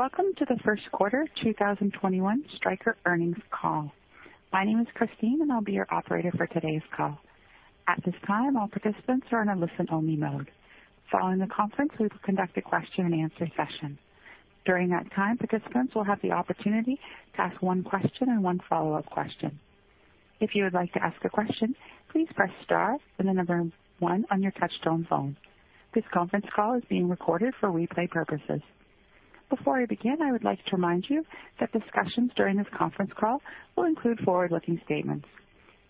Welcome to the first quarter 2021 Stryker earnings call. My name is Christine and I'll be your operator for today's call. At this time, all participants are in a listen-only mode. Following the conference, we will conduct a question-and-answer session. During that time, participants will have the opportunity to ask one question and one follow-up question. If you would like to ask a question, please press star, and the number one on your touchtone phone. This conference call is being recorded for replay purposes. Before I begin, I would like to remind you that discussions during this conference call will include forward-looking statements.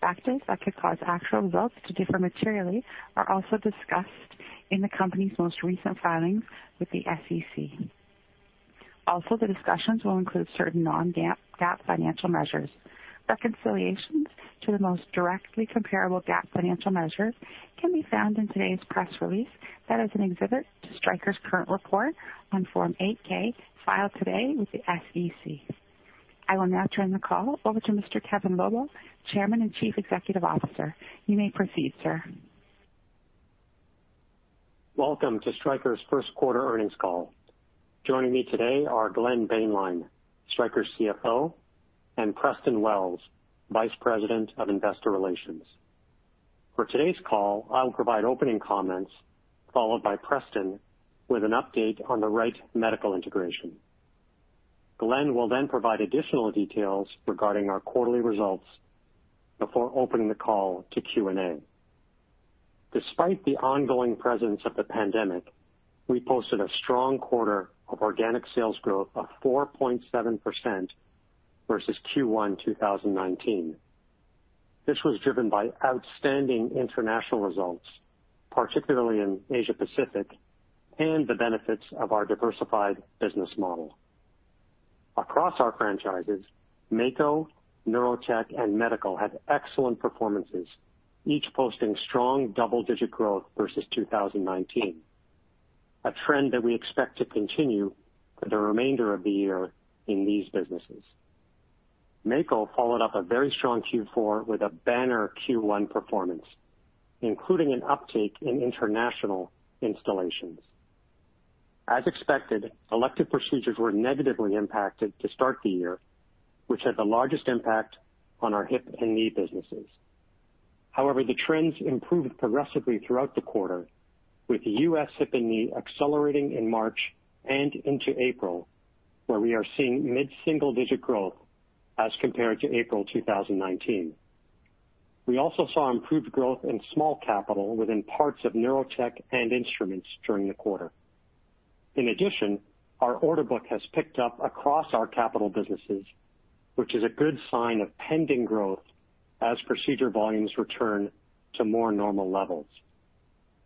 Factors that could cause actual results to differ materially are also discussed in the company's most recent filings with the SEC. Also, the discussions will include certain non-GAAP financial measures. Reconciliations to the most directly comparable GAAP financial measures can be found in today's press release that is an exhibit to Stryker's current report on Form 8-K filed today with the SEC. I will now turn the call over to Mr. Kevin Lobo, Chairman and Chief Executive Officer. You may proceed, sir. Welcome to Stryker's first quarter earnings call. Joining me today are Glenn Boehnlein, Stryker's CFO, and Preston Wells, Vice President of Investor Relations. For today's call, I will provide opening comments followed by Preston with an update on the Wright Medical integration. Glenn will then provide additional details regarding our quarterly results before opening the call to Q&A. Despite the ongoing presence of the pandemic, we posted a strong quarter of organic sales growth of 4.7% versus Q1 2019. This was driven by outstanding international results, particularly in Asia Pacific, and the benefits of our diversified business model. Across our franchises, Mako, Neurotech, and Medical had excellent performances, each posting strong double-digit growth versus 2019, a trend that we expect to continue for the remainder of the year in these businesses. Mako followed up a very strong Q4 with a banner Q1 performance, including an uptake in international installations. As expected, elective procedures were negatively impacted to start the year, which had the largest impact on our hip and knee businesses. However, the trends improved progressively throughout the quarter with U.S. hip and knee accelerating in March and into April, where we are seeing mid-single digit growth as compared to April 2019. We also saw improved growth in small capital within parts of Neurotech and Instruments during the quarter. In addition, our order book has picked up across our capital businesses, which is a good sign of pending growth as procedure volumes return to more normal levels.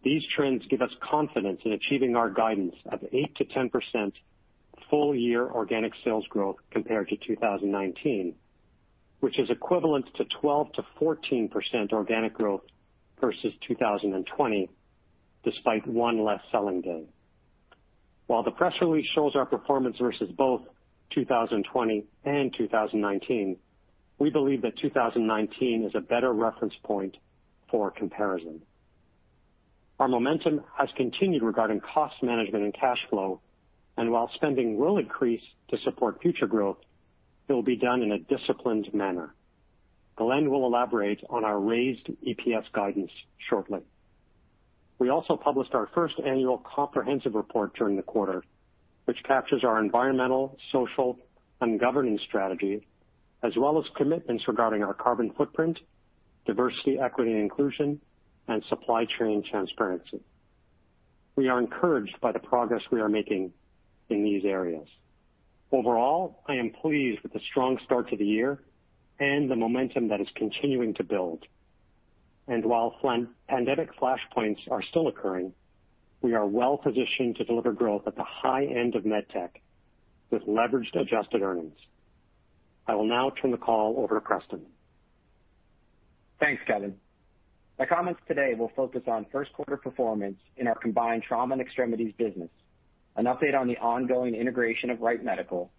These trends give us confidence in achieving our guidance of 8%-10% full year organic sales growth compared to 2019, which is equivalent to 12%-14% organic growth versus 2020, despite one less selling day. While the press release shows our performance versus both 2020 and 2019, we believe that 2019 is a better reference point for comparison. Our momentum has continued regarding cost management and cash flow, and while spending will increase to support future growth, it will be done in a disciplined manner. Glenn will elaborate on our raised EPS guidance shortly. We also published our first annual comprehensive report during the quarter, which captures our environmental, social, and governing strategy, as well as commitments regarding our carbon footprint, diversity, equity, and inclusion, and supply chain transparency. We are encouraged by the progress we are making in these areas. Overall, I am pleased with the strong start to the year and the momentum that is continuing to build. While pandemic flashpoints are still occurring, we are well positioned to deliver growth at the high end of Medical Technology with leveraged adjusted earnings. I will now turn the call over to Preston Wells. Thanks, Kevin. My comments today will focus on first quarter performance in our combined Trauma and Extremities business, an update on the ongoing integration of Wright Medical,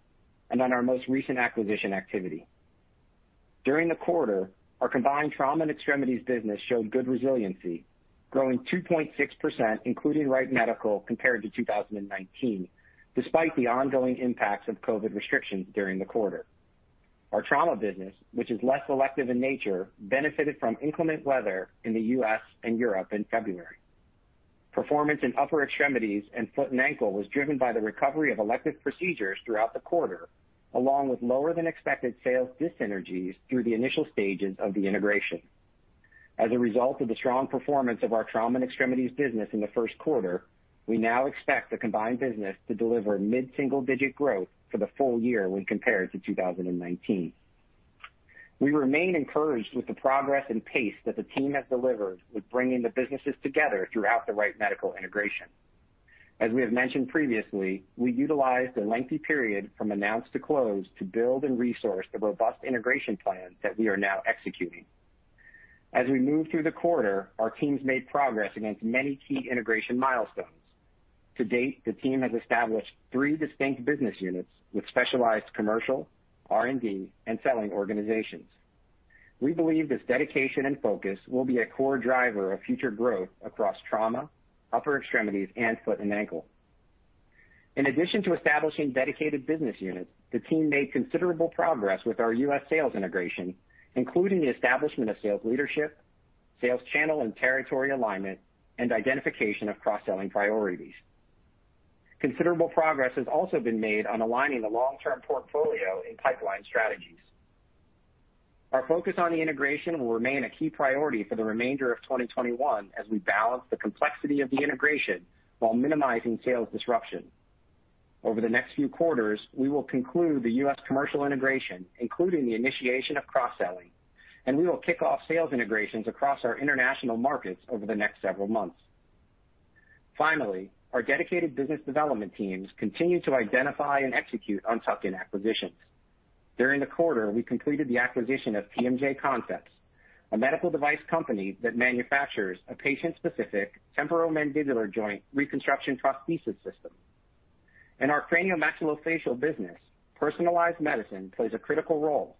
and on our most recent acquisition activity. During the quarter, our combined Trauma and Extremities business showed good resiliency, growing 2.6%, including Wright Medical, compared to 2019, despite the ongoing impacts of COVID restrictions during the quarter. Our Trauma business, which is less elective in nature, benefited from inclement weather in the U.S. and Europe in February. Performance in upper extremities and foot and ankle was driven by the recovery of elective procedures throughout the quarter, along with lower than expected sales dis-synergies through the initial stages of the integration. As a result of the strong performance of our Trauma and Extremities business in the first quarter, we now expect the combined business to deliver mid-single digit growth for the full year when compared to 2019. We remain encouraged with the progress and pace that the team has delivered with bringing the businesses together throughout the Wright Medical integration. As we have mentioned previously, we utilized a lengthy period from announce to close to build and resource the robust integration plan that we are now executing. As we moved through the quarter, our teams made progress against many key integration milestones. To date, the team has established three distinct business units with specialized commercial, R&D, and selling organizations. We believe this dedication and focus will be a core driver of future growth across trauma, upper extremities, and foot and ankle. In addition to establishing dedicated business units, the team made considerable progress with our U.S. sales integration, including the establishment of sales leadership, sales channel and territory alignment, and identification of cross-selling priorities. Considerable progress has also been made on aligning the long-term portfolio and pipeline strategies. Our focus on the integration will remain a key priority for the remainder of 2021 as we balance the complexity of the integration while minimizing sales disruption. Over the next few quarters, we will conclude the U.S. commercial integration, including the initiation of cross-selling, and we will kick off sales integrations across our international markets over the next several months. Our dedicated business development teams continue to identify and execute on tuck-in acquisitions. During the quarter, we completed the acquisition of TMJ Concepts, a medical device company that manufactures a patient-specific temporomandibular joint reconstruction prosthesis system. In our craniomaxillofacial business, personalized medicine plays a critical role,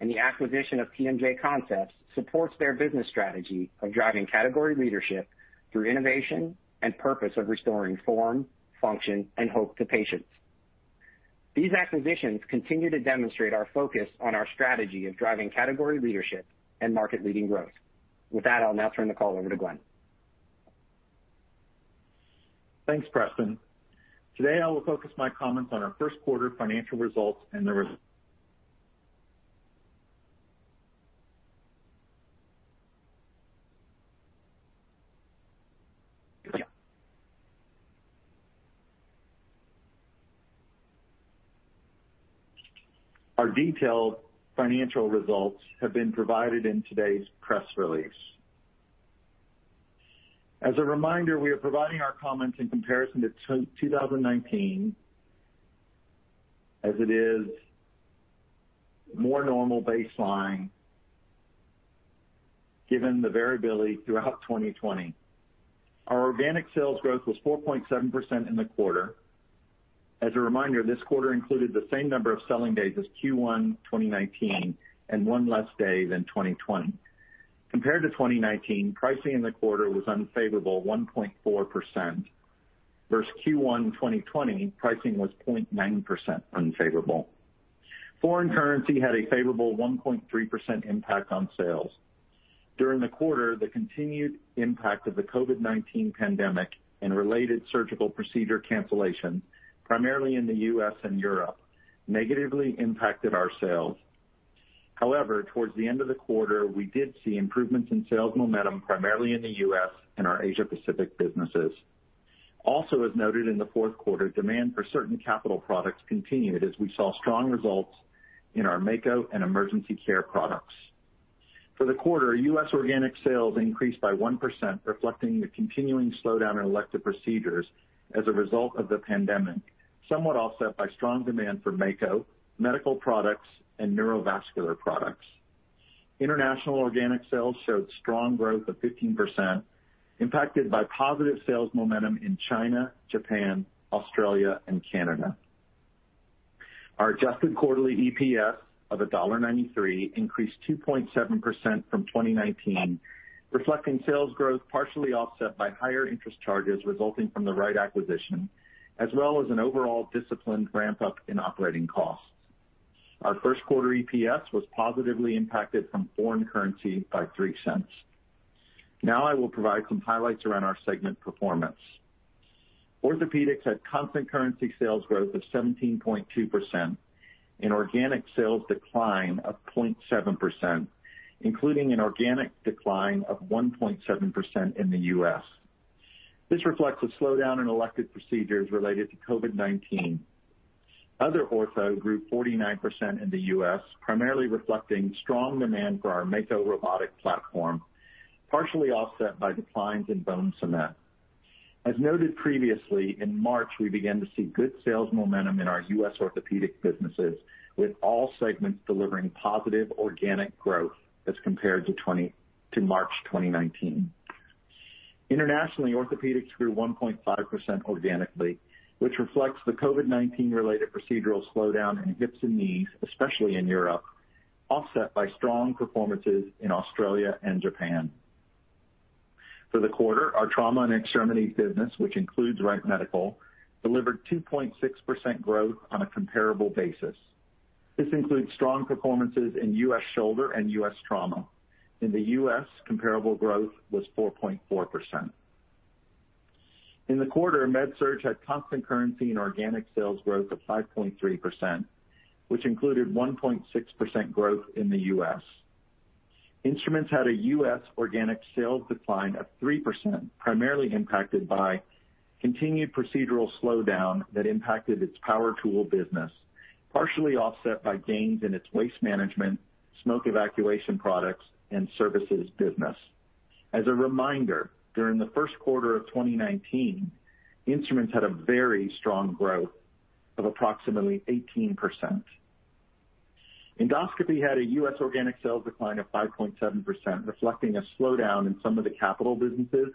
and the acquisition of TMJ Concepts supports their business strategy of driving category leadership through innovation and purpose of restoring form, function, and hope to patients. These acquisitions continue to demonstrate our focus on our strategy of driving category leadership and market-leading growth. With that, I'll now turn the call over to Glenn Boehnlein. Thanks, Preston. Today, I will focus my comments on our first quarter financial results and the detailed financial results have been provided in today's press release. As a reminder, we are providing our comments in comparison to 2019 as it is more normal baseline given the variability throughout 2020. Our organic sales growth was 4.7% in the quarter. As a reminder, this quarter included the same number of selling days as Q1 2019 and one less day than 2020. Compared to 2019, pricing in the quarter was unfavorable 1.4% versus Q1 2020, pricing was 0.9% unfavorable. Foreign currency had a favorable 1.3% impact on sales. During the quarter, the continued impact of the COVID-19 pandemic and related surgical procedure cancellations, primarily in the U.S. and Europe, negatively impacted our sales. Towards the end of the quarter, we did see improvements in sales momentum, primarily in the U.S. and our Asia Pacific businesses. As noted in the fourth quarter, demand for certain capital products continued as we saw strong results in our Mako and emergency care products. For the quarter, U.S. organic sales increased by 1%, reflecting the continuing slowdown in elective procedures as a result of the pandemic, somewhat offset by strong demand for Mako, medical products, and neurovascular products. International organic sales showed strong growth of 15%, impacted by positive sales momentum in China, Japan, Australia, and Canada. Our adjusted quarterly EPS of $1.93 increased 2.7% from 2019, reflecting sales growth partially offset by higher interest charges resulting from the Wright acquisition, as well as an overall disciplined ramp-up in operating costs. Our first quarter EPS was positively impacted from foreign currency by $0.03. I will provide some highlights around our segment performance. Orthopedics had constant currency sales growth of 17.2% and organic sales decline of 0.7%, including an organic decline of 1.7% in the U.S. This reflects a slowdown in elective procedures related to COVID-19. Other ortho grew 49% in the U.S., primarily reflecting strong demand for our Mako robotic platform, partially offset by declines in bone cement. As noted previously, in March, we began to see good sales momentum in our U.S. orthopedic businesses, with all segments delivering positive organic growth as compared to March 2019. Internationally, orthopedics grew 1.5% organically, which reflects the COVID-19 related procedural slowdown in hips and knees, especially in Europe, offset by strong performances in Australia and Japan. For the quarter, our Trauma and Extremities business, which includes Wright Medical, delivered 2.6% growth on a comparable basis. This includes strong performances in U.S. shoulder and U.S. trauma. In the U.S., comparable growth was 4.4%. In the quarter, MedSurg had constant currency and organic sales growth of 5.3%, which included 1.6% growth in the U.S. Instruments had a U.S. organic sales decline of 3%, primarily impacted by continued procedural slowdown that impacted its power tool business, partially offset by gains in its waste management, smoke evacuation products, and services business. As a reminder, during the first quarter of 2019, Instruments had a very strong growth of approximately 18%. Endoscopy had a U.S. organic sales decline of 5.7%, reflecting a slowdown in some of the capital businesses,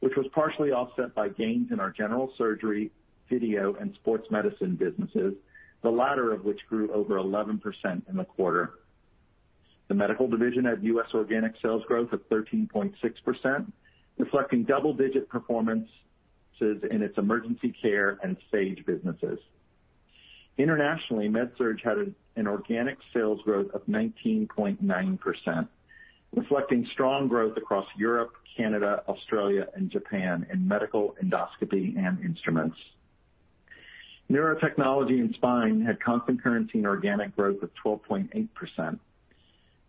which was partially offset by gains in our general surgery, video, and sports medicine businesses, the latter of which grew over 11% in the quarter. The medical division had U.S. organic sales growth of 13.6%, reflecting double-digit performances in its emergency care and Sage businesses. Internationally, MedSurg had an organic sales growth of 19.9%, reflecting strong growth across Europe, Canada, Australia, and Japan in medical Endoscopy and Instruments. Neurotechnology and Spine had constant currency and organic growth of 12.8%.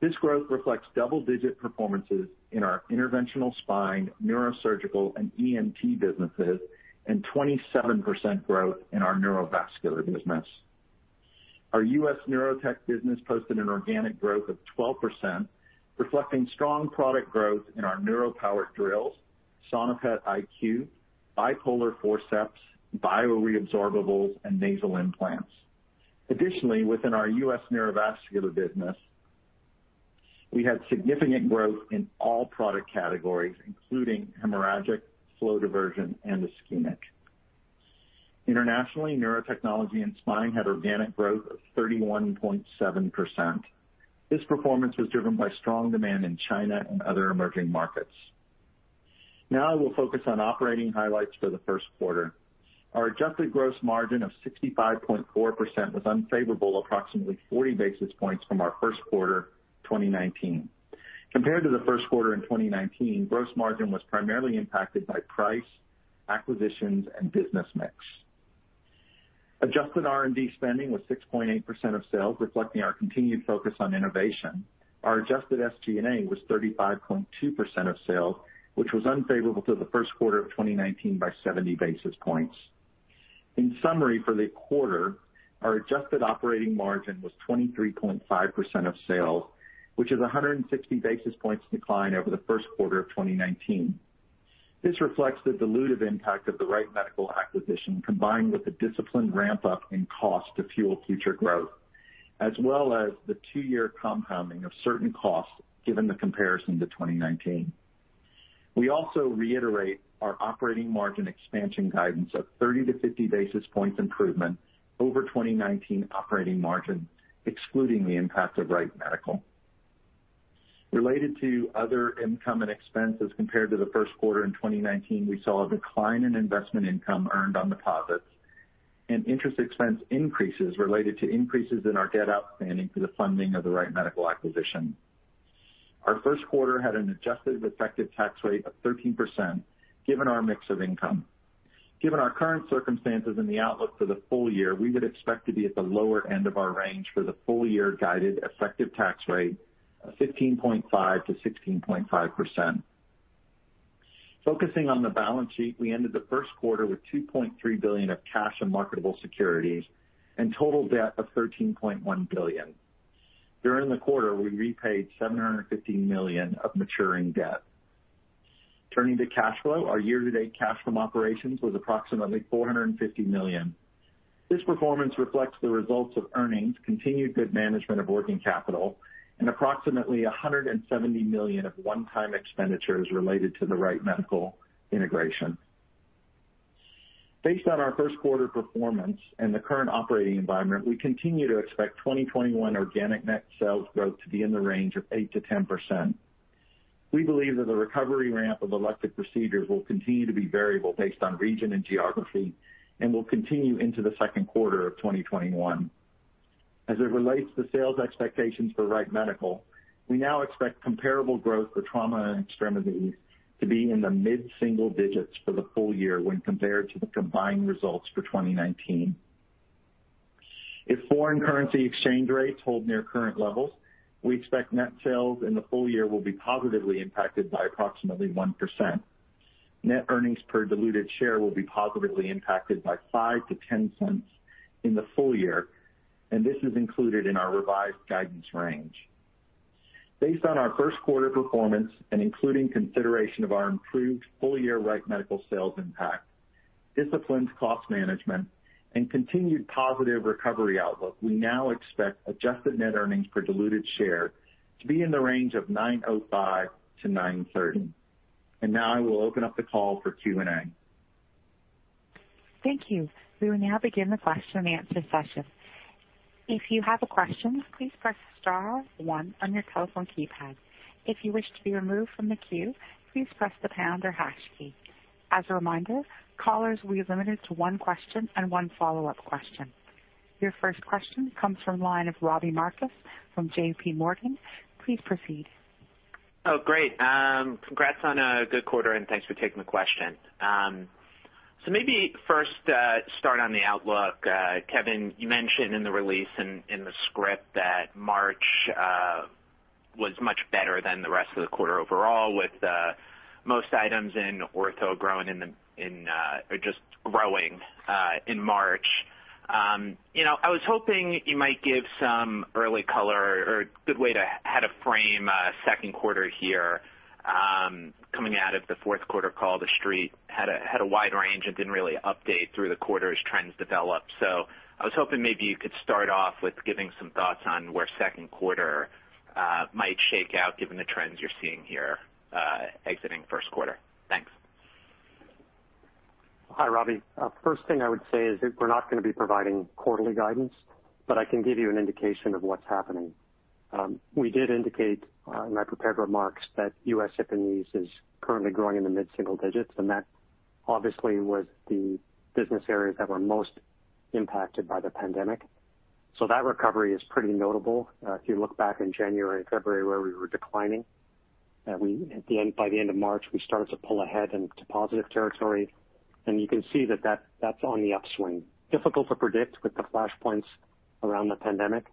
This growth reflects double-digit performances in our interventional spine, neurosurgical, and ENT businesses, and 27% growth in our Neurovascular business. Our U.S. Neurotech business posted an organic growth of 12%, reflecting strong product growth in our neuro powered drills, Sonopet iQ, bipolar forceps, bioresorbables, and nasal implants. Additionally, within our U.S. Neurovascular business, we had significant growth in all product categories, including hemorrhagic, flow diversion, and ischemic. Internationally, Neurotechnology and Spine had organic growth of 31.7%. This performance was driven by strong demand in China and other emerging markets. I will focus on operating highlights for the first quarter. Our adjusted gross margin of 65.4% was unfavorable approximately 40 basis points from our first quarter 2019. Compared to the first quarter in 2019, gross margin was primarily impacted by price, acquisitions, and business mix. Adjusted R&D spending was 6.8% of sales, reflecting our continued focus on innovation. Our adjusted SG&A was 35.2% of sales, which was unfavorable to the first quarter of 2019 by 70 basis points. In summary, for the quarter, our adjusted operating margin was 23.5% of sales, which is 160 basis points decline over the first quarter of 2019. This reflects the dilutive impact of the Wright Medical acquisition, combined with the disciplined ramp-up in cost to fuel future growth, as well as the two-year compounding of certain costs given the comparison to 2019. We also reiterate our operating margin expansion guidance of 30 basis points-50 basis points improvement over 2019 operating margin, excluding the impact of Wright Medical. Related to other income and expenses compared to the first quarter in 2019, we saw a decline in investment income earned on deposits and interest expense increases related to increases in our debt outstanding for the funding of the Wright Medical acquisition. Our first quarter had an adjusted effective tax rate of 13% given our mix of income. Given our current circumstances and the outlook for the full year, we would expect to be at the lower end of our range for the full year guided effective tax rate of 15.5%-16.5%. Focusing on the balance sheet, we ended the first quarter with $2.3 billion of cash and marketable securities and total debt of $13.1 billion. During the quarter, we repaid $750 million of maturing debt. Turning to cash flow, our year-to-date cash from operations was approximately $450 million. This performance reflects the results of earnings, continued good management of working capital, and approximately $170 million of one-time expenditures related to the Wright Medical integration. Based on our first quarter performance and the current operating environment, we continue to expect 2021 organic net sales growth to be in the range of 8%-10%. We believe that the recovery ramp of elective procedures will continue to be variable based on region and geography and will continue into the second quarter of 2021. As it relates to sales expectations for Wright Medical, we now expect comparable growth for trauma and extremities to be in the mid-single digits for the full year when compared to the combined results for 2019. If foreign currency exchange rates hold near current levels, we expect net sales in the full year will be positively impacted by approximately 1%. Net earnings per diluted share will be positively impacted by $0.05-$0.10 in the full year, and this is included in our revised guidance range. Based on our first quarter performance and including consideration of our improved full-year Wright Medical sales impact, disciplined cost management, and continued positive recovery outlook, we now expect adjusted net earnings per diluted share to be in the range of $9.05-$9.30. Now I will open up the call for Q&A. Thank you. We will now begin the question and answer session. If you have a question, please press star one on your telephone keypad. If you wish to be removed from the queue, please press the pound or hash key. As a reminder, callers will be limited to one question and one follow-up question. Your first question comes from the line of Robbie Marcus from JPMorgan. Please proceed. Great. Congrats on a good quarter, thanks for taking the question. Maybe first, start on the outlook. Kevin, you mentioned in the release and in the script that March was much better than the rest of the quarter overall with most items in ortho just growing in March. I was hoping you might give some early color or a good way to how to frame second quarter here. Coming out of the fourth quarter call, the Street had a wide range and didn't really update through the quarter as trends developed. I was hoping maybe you could start off with giving some thoughts on where second quarter might shake out given the trends you're seeing here exiting first quarter. Thanks. Hi, Robbie. First thing I would say is that we're not going to be providing quarterly guidance, but I can give you an indication of what's happening. We did indicate in my prepared remarks that U.S. hip and knees is currently growing in the mid-single digits, and that obviously was the business areas that were most impacted by the pandemic. That recovery is pretty notable. If you look back in January and February where we were declining, by the end of March, we started to pull ahead into positive territory, and you can see that that's on the upswing. Difficult to predict with the flashpoints around the pandemic,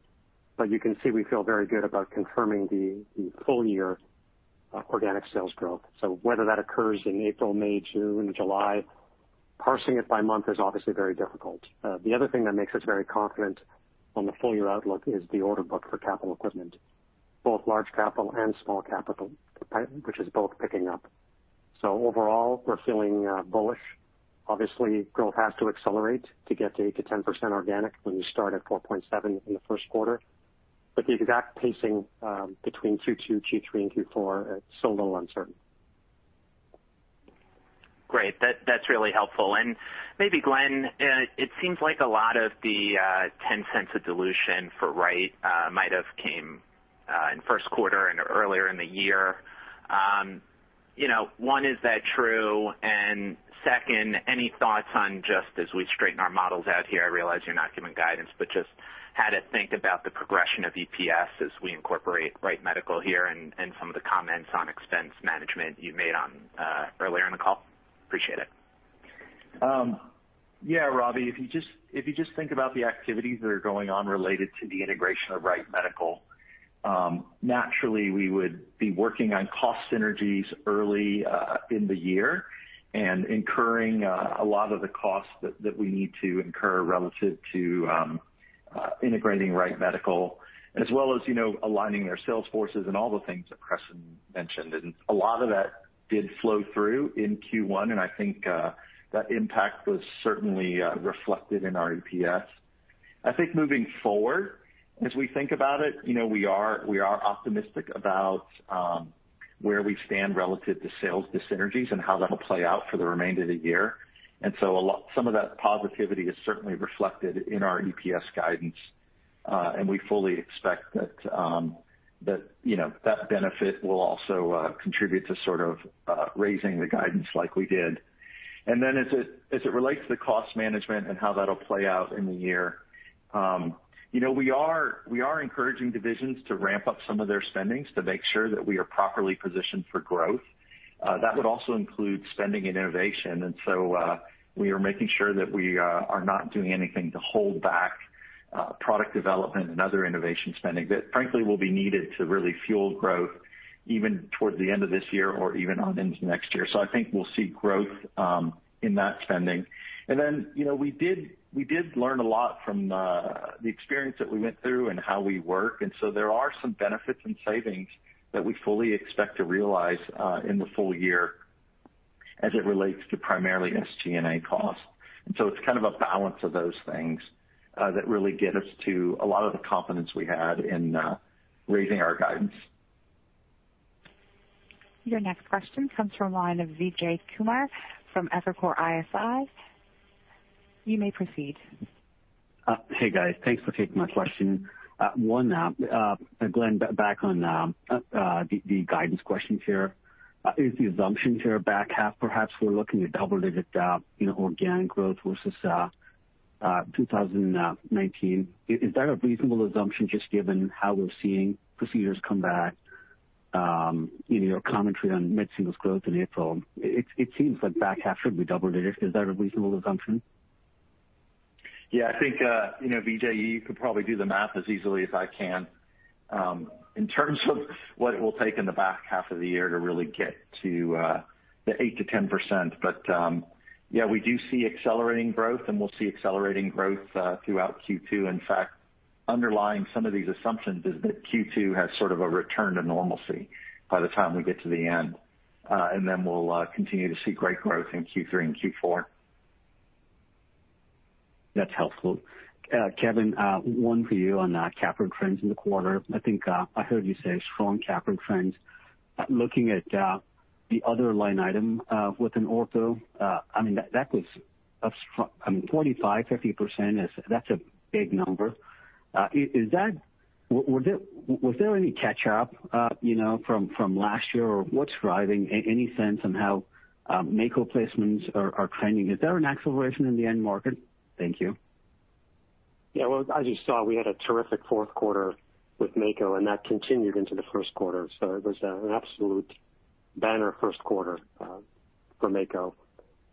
but you can see we feel very good about confirming the full year organic sales growth. Whether that occurs in April, May, June, July, parsing it by month is obviously very difficult. The other thing that makes us very confident on the full-year outlook is the order book for capital equipment, both large capital and small capital, which is both picking up. Overall, we're feeling bullish. Obviously, growth has to accelerate to get to 8% to 10% organic when you start at 4.7% in the first quarter. The exact pacing between Q2, Q3, and Q4 is still a little uncertain. Great. That's really helpful. Maybe Glenn, it seems like a lot of the $0.10 of dilution for Wright might have came in first quarter and earlier in the year. One, is that true? Second, any thoughts on just as we straighten our models out here, I realize you're not giving guidance, but just how to think about the progression of EPS as we incorporate Wright Medical here and some of the comments on expense management you made earlier in the call. Appreciate it. Yeah, Robbie, if you just think about the activities that are going on related to the integration of Wright Medical, naturally we would be working on cost synergies early in the year and incurring a lot of the costs that we need to incur relative to integrating Wright Medical as well as aligning their sales forces and all the things that Preston mentioned. A lot of that did flow through in Q1, and I think that impact was certainly reflected in our EPS. I think moving forward, as we think about it, we are optimistic about where we stand relative to sales, the synergies, and how that'll play out for the remainder of the year. Some of that positivity is certainly reflected in our EPS guidance. We fully expect that benefit will also contribute to sort of raising the guidance like we did. Then as it relates to cost management and how that'll play out in the year, we are encouraging divisions to ramp up some of their spending to make sure that we are properly positioned for growth. That would also include spending in innovation. So we are making sure that we are not doing anything to hold back product development and other innovation spending that frankly will be needed to really fuel growth even towards the end of this year or even on into next year. I think we'll see growth in that spending. Then, we did learn a lot from the experience that we went through and how we work, there are some benefits and savings that we fully expect to realize in the full year as it relates to primarily SG&A costs. It's kind of a balance of those things that really get us to a lot of the confidence we had in raising our guidance. Your next question comes from line of Vijay Kumar from Evercore ISI. You may proceed. Hey, guys. Thanks for taking my question. One, Glenn, back on the guidance question here. Is the assumption here back half perhaps we're looking at double-digit organic growth versus 2019? Is that a reasonable assumption just given how we're seeing procedures come back in your commentary on mid-single growth in April? It seems like back half should be double digits. Is that a reasonable assumption? I think, Vijay, you could probably do the math as easily as I can in terms of what it will take in the back half of the year to really get to the 8%-10%. We do see accelerating growth, and we'll see accelerating growth throughout Q2. In fact, underlying some of these assumptions is that Q2 has sort of a return to normalcy by the time we get to the end. Then we'll continue to see great growth in Q3 and Q4. That's helpful. Kevin, one for you on capital trends in the quarter. I think I heard you say strong capital trends. Looking at the other line item within ortho, I mean, 45%, 50%, that's a big number. What's driving, any sense on how Mako placements are trending? Is there an acceleration in the end market? Thank you. Well, as you saw, we had a terrific fourth quarter with Mako, and that continued into the first quarter. It was an absolute banner first quarter for Mako.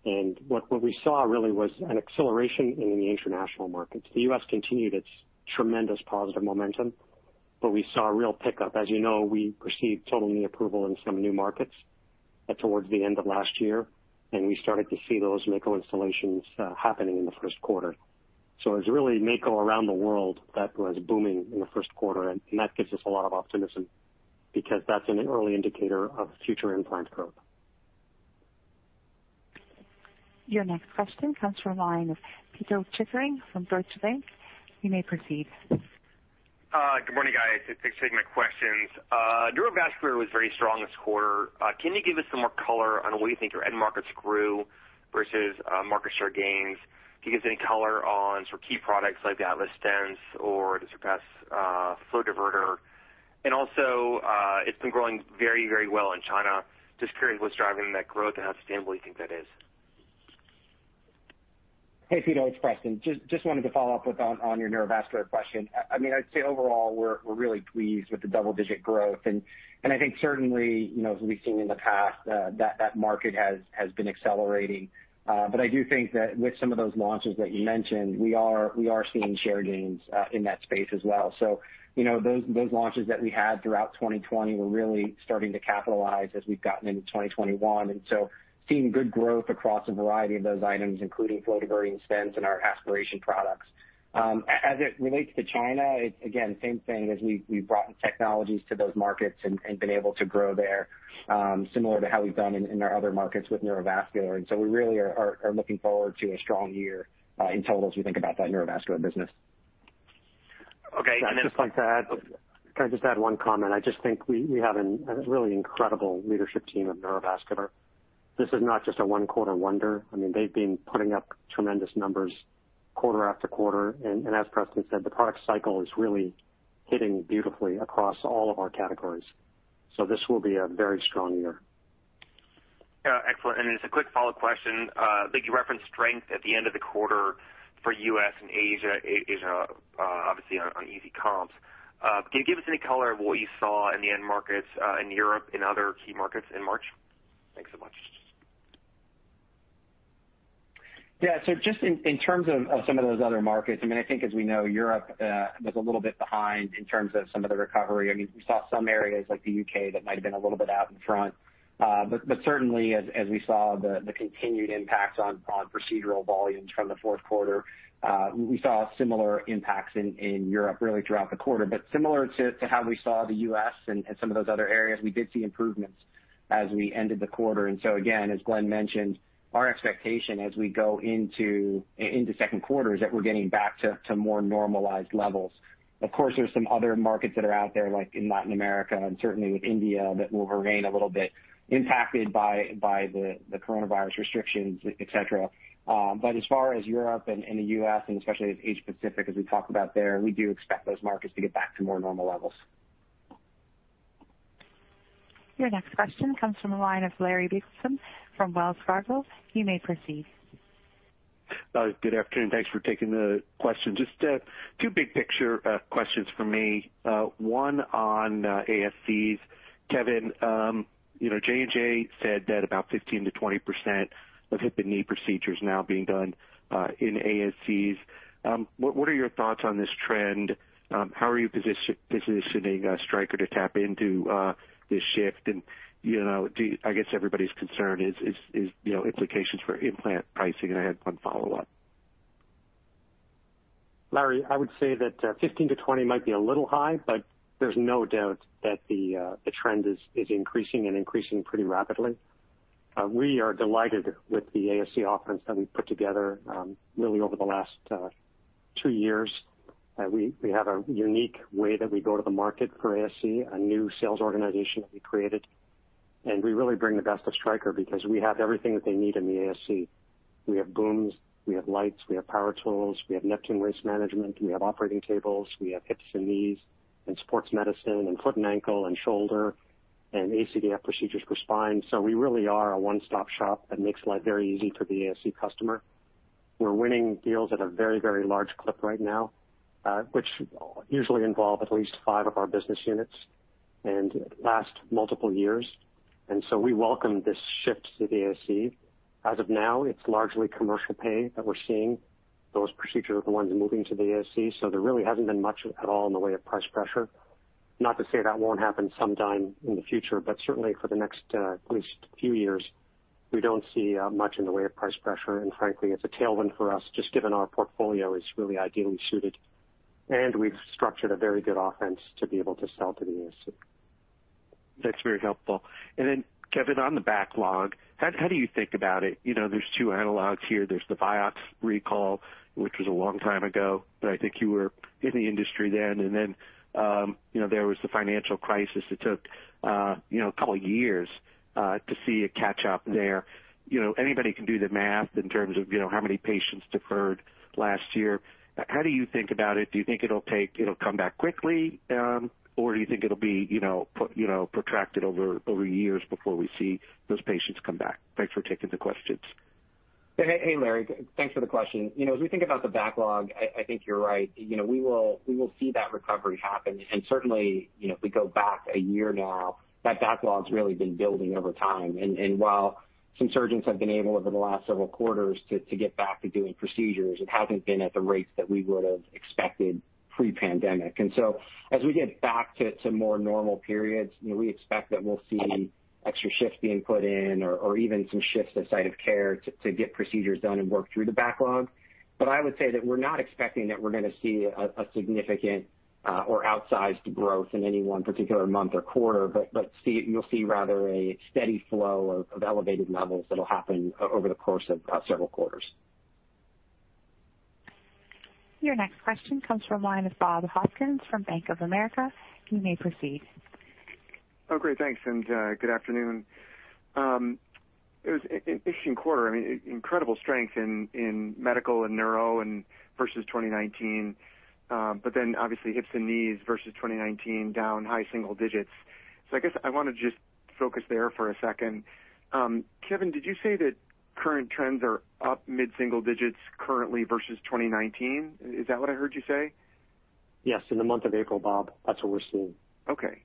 What we saw really was an acceleration in the international markets. The U.S. continued its tremendous positive momentum, but we saw a real pickup. As you know, we received total knee approval in some new markets towards the end of last year, and we started to see those Mako installations happening in the first quarter. It was really Mako around the world that was booming in the first quarter, and that gives us a lot of optimism because that's an early indicator of future implant growth. Your next question comes from line of Pito Chickering from Deutsche Bank. You may proceed. Good morning, guys. Thanks for taking my questions. Neurovascular was very strong this quarter. Can you give us some more color on what you think your end markets grew versus market share gains? Can you give us any color on some key products like the Atlas Stents or the Surpass Flow Diverter? Also, it's been growing very well in China. Just curious what's driving that growth and how sustainable you think that is. Hey Pito, it's Preston. Just wanted to follow up on your neurovascular question. I'd say overall, we're really pleased with the double-digit growth, and I think certainly, as we've seen in the past, that market has been accelerating. I do think that with some of those launches that you mentioned, we are seeing share gains in that space as well. Those launches that we had throughout 2020, we're really starting to capitalize as we've gotten into 2021, seeing good growth across a variety of those items, including flow diverting stents and our aspiration products. As it relates to China, again, same thing, as we've brought technologies to those markets and been able to grow there, similar to how we've done in our other markets with neurovascular. We really are looking forward to a strong year in total as we think about that neurovascular business. Okay. I'd just like to add. Can I just add one comment? I just think we have a really incredible leadership team of Neurovascular. This is not just a one-quarter wonder. They've been putting up tremendous numbers quarter after quarter. As Preston said, the product cycle is really hitting beautifully across all of our categories. This will be a very strong year. Yeah, excellent. Just a quick follow question. I think you referenced strength at the end of the quarter for U.S. and Asia, obviously on easy comps. Can you give us any color of what you saw in the end markets in Europe and other key markets in March? Thanks so much. Yeah. Just in terms of some of those other markets, I think as we know, Europe was a little bit behind in terms of some of the recovery. We saw some areas like the U.K. that might've been a little bit out in front. Certainly, as we saw the continued impacts on procedural volumes from the fourth quarter, we saw similar impacts in Europe really throughout the quarter. Similar to how we saw the U.S. and some of those other areas, we did see improvements as we ended the quarter. Again, as Glenn mentioned, our expectation as we go into second quarter is that we're getting back to more normalized levels. Of course, there's some other markets that are out there, like in Latin America and certainly with India, that will remain a little bit impacted by the coronavirus restrictions, et cetera. As far as Europe and the U.S. and especially as Asia Pacific, as we talk about there, we do expect those markets to get back to more normal levels. Your next question comes from the line of Larry Biegelsen from Wells Fargo. You may proceed. Good afternoon. Thanks for taking the question. Just two big-picture questions from me. One on ASCs. Kevin, J&J said that about 15%-20% of hip and knee procedures now being done in ASCs. What are your thoughts on this trend? How are you positioning Stryker to tap into this shift? I guess everybody's concern is implications for implant pricing, and I had one follow-up. Larry, I would say that 15%-20% might be a little high, but there's no doubt that the trend is increasing and increasing pretty rapidly. We are delighted with the ASC offerings that we've put together really over the last two years. We have a unique way that we go to the market for ASC, a new sales organization that we created, and we really bring the best of Stryker because we have everything that they need in the ASC. We have booms, we have lights, we have power tools, we have Neptune Waste Management, we have operating tables, we have hips and knees and sports medicine and foot and ankle and shoulder and anterior cervical discectomy and fusion procedures for spine. We really are a one-stop shop that makes life very easy for the ASC customer. We're winning deals at a very large clip right now, which usually involve at least five of our business units and last multiple years. We welcome this shift to the ASC. As of now, it's largely commercial pay that we're seeing, those procedures are the ones moving to the ASC, so there really hasn't been much at all in the way of price pressure. Not to say that won't happen sometime in the future, but certainly for the next at least few years, we don't see much in the way of price pressure, and frankly, it's a tailwind for us, just given our portfolio is really ideally suited, and we've structured a very good offense to be able to sell to the ASC. That's very helpful. Kevin, on the backlog, how do you think about it? There's two analogs here. There's the Biomet recall, which was a long time ago, but I think you were in the industry then, and then there was the financial crisis that took a couple of years to see a catch-up there. Anybody can do the math in terms of how many patients deferred last year. How do you think about it? Do you think it'll come back quickly? Do you think it'll be protracted over years before we see those patients come back? Thanks for taking the questions. Hey, Larry. Thanks for the question. As we think about the backlog, I think you're right. We will see that recovery happen, and certainly, if we go back one year now, that backlog's really been building over time. While some surgeons have been able over the last several quarters to get back to doing procedures, it hasn't been at the rates that we would've expected pre-pandemic. As we get back to more normal periods, we expect that we'll see extra shifts being put in or even some shifts of site of care to get procedures done and work through the backlog. I would say that we're not expecting that we're going to see a significant or outsized growth in any one particular month or quarter, but you'll see rather a steady flow of elevated levels that'll happen over the course of several quarters. Your next question comes from the line of Bob Hopkins from Bank of America. You may proceed. Oh, great. Thanks, good afternoon. It was an interesting quarter. I mean, incredible strength in medical and Neuro versus 2019. Obviously hips and knees versus 2019 down high single digits. I guess I want to just focus there for a second. Kevin, did you say that current trends are up mid-single digits currently versus 2019? Is that what I heard you say? Yes. In the month of April, Bob, that's what we're seeing. Okay.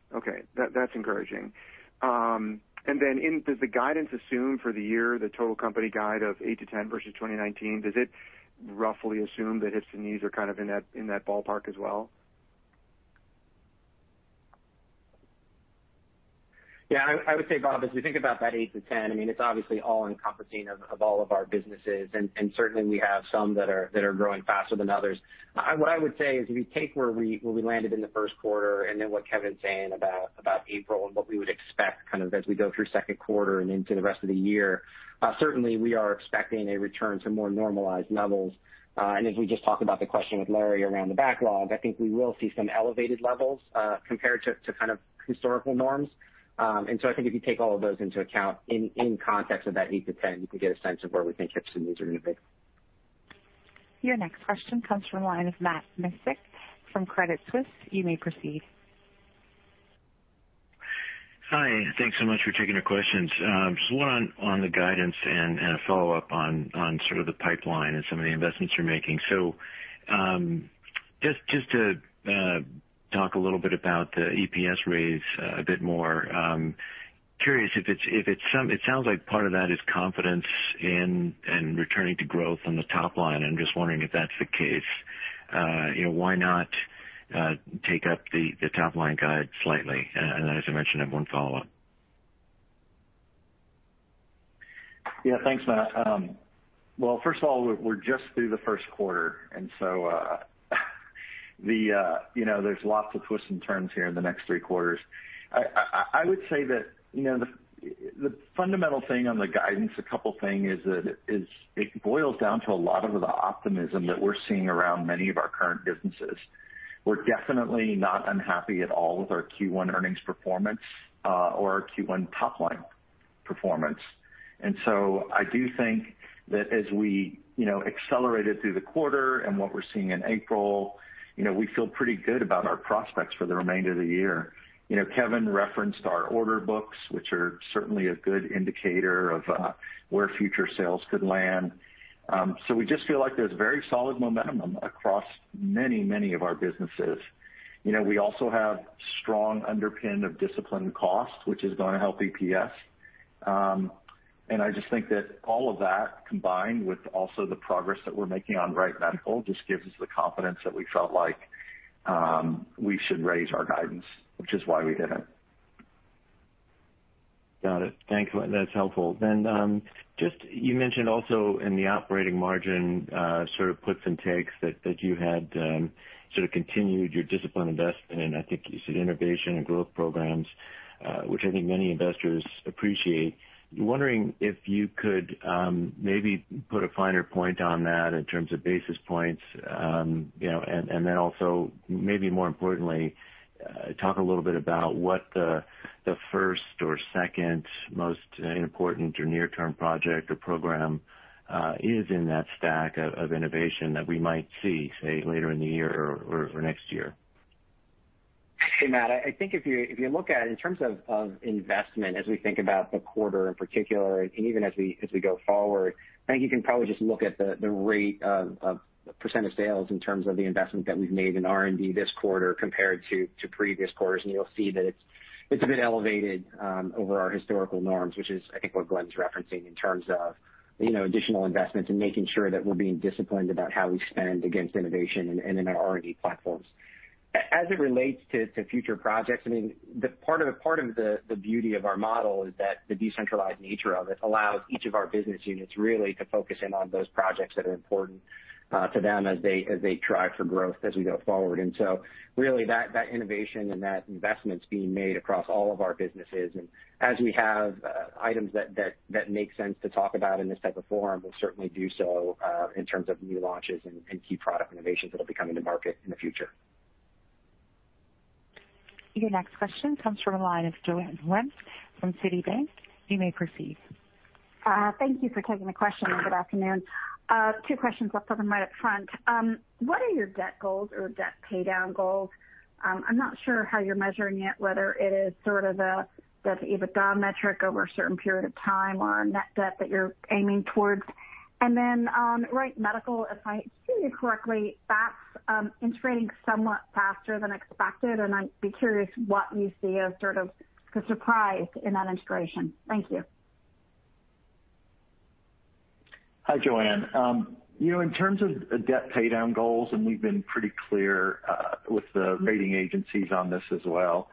That's encouraging. Does the guidance assume for the year, the total company guide of 8%-10% versus 2019, does it roughly assume that hips and knees are kind of in that ballpark as well? Yeah. I would say, Bob, as we think about that eight to 10, I mean, it's obviously all-encompassing of all of our businesses, and certainly we have some that are growing faster than others. If you take where we landed in the first quarter, then what Kevin's saying about April and what we would expect kind of as we go through second quarter and into the rest of the year, certainly we are expecting a return to more normalized levels. As we just talked about the question with Larry around the backlog, I think we will see some elevated levels, compared to kind of historical norms. I think if you take all of those into account in context of that eight to 10, you can get a sense of where we think hips and knees are going to be. Your next question comes from the line of Matt Miksic from Credit Suisse. Hi. Thanks so much for taking the questions. Just one on the guidance and a follow-up on sort of the pipeline and some of the investments you're making. Just to talk a little bit about the EPS raise a bit more. Curious if it sounds like part of that is confidence in and returning to growth on the top line, I'm just wondering if that's the case. Why not take up the top-line guide slightly? As I mentioned, I have one follow-up. Yeah, thanks, Matt. Well, first of all, we're just through the first quarter, there's lots of twists and turns here in the next three quarters. I would say that the fundamental thing on the guidance, a couple thing, is that it boils down to a lot of the optimism that we're seeing around many of our current businesses. We're definitely not unhappy at all with our Q1 earnings performance, or our Q1 top-line performance. I do think that as we accelerated through the quarter and what we're seeing in April, we feel pretty good about our prospects for the remainder of the year. Kevin referenced our order books, which are certainly a good indicator of where future sales could land. We just feel like there's very solid momentum across many of our businesses. We also have strong underpin of disciplined cost, which is going to help EPS. I just think that all of that combined with also the progress that we're making on Wright Medical, just gives us the confidence that we felt like we should raise our guidance, which is why we did it. Got it. Thanks. That's helpful. You mentioned also in the operating margin, puts and takes that you had continued your disciplined investment, and I think you said innovation and growth programs, which I think many investors appreciate. Wondering if you could maybe put a finer point on that in terms of basis points. Also, maybe more importantly, talk a little bit about what the first or second most important or near-term project or program is in that stack of innovation that we might see, say, later in the year or next year. Hey, Matt, I think if you look at it in terms of investment, as we think about the quarter in particular, even as we go forward, I think you can probably just look at the rate of percentage sales in terms of the investment that we've made in R&D this quarter compared to previous quarters. You'll see that it's a bit elevated over our historical norms, which is, I think what Glenn's referencing in terms of additional investments and making sure that we're being disciplined about how we spend against innovation and in our R&D platforms. As it relates to future projects, I mean, part of the beauty of our model is that the decentralized nature of it allows each of our business units really to focus in on those projects that are important to them as they try for growth as we go forward. Really that innovation and that investment's being made across all of our businesses. As we have items that make sense to talk about in this type of forum, we'll certainly do so, in terms of new launches and key product innovations that'll be coming to market in the future. Your next question comes from the line of Joanne Wuensch from Citigroup. You may proceed. Thank you for taking the question, and good afternoon. Two questions. I'll put them right up front. What are your debt goals or debt paydown goals? I'm not sure how you're measuring it, whether it is sort of the debt-to-EBITDA metric over a certain period of time or a net debt that you're aiming towards. Then, Wright Medical, if I hear you correctly, that's integrating somewhat faster than expected. I'd be curious what you see as sort of the surprise in that integration. Thank you. Hi, Joanne. In terms of debt paydown goals, we've been pretty clear with the rating agencies on this as well.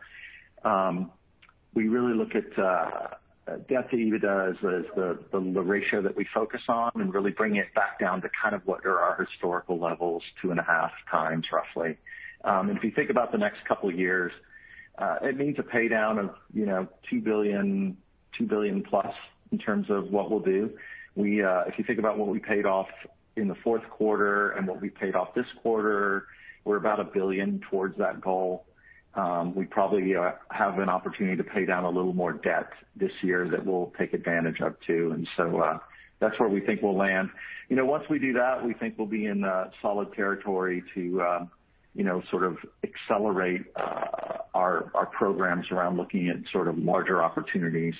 We really look at debt to EBITDA as the ratio that we focus on and really bring it back down to kind of what are our historical levels, 2.5x roughly. If you think about the next couple years, it means a paydown of $2+ billion. In terms of what we'll do, if you think about what we paid off in the fourth quarter and what we paid off this quarter, we're about $1 billion towards that goal. We probably have an opportunity to pay down a little more debt this year that we'll take advantage of, too. That's where we think we'll land. We do that, we think we'll be in solid territory to sort of accelerate our programs around looking at sort of larger opportunities.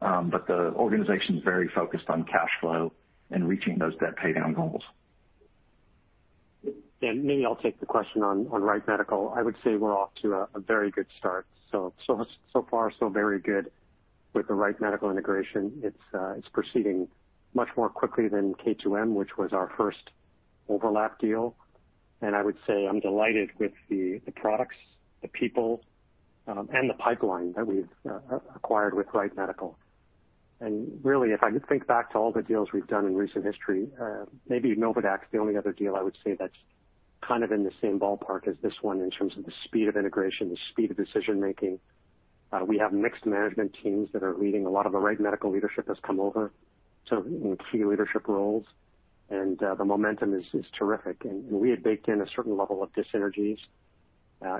The organization's very focused on cash flow and reaching those debt pay down goals. Maybe I'll take the question on Wright Medical. I would say we're off to a very good start. So far, so very good with the Wright Medical integration. It's proceeding much more quickly than K2M, which was our first overlap deal. I would say I'm delighted with the products, the people, and the pipeline that we've acquired with Wright Medical. Really, if I think back to all the deals we've done in recent history, maybe NOVADAQ Technologies is the only other deal I would say that's kind of in the same ballpark as this one in terms of the speed of integration, the speed of decision-making. We have mixed management teams that are leading. A lot of the Wright Medical leadership has come over in key leadership roles, and the momentum is terrific. We had baked in a certain level of dissynergies.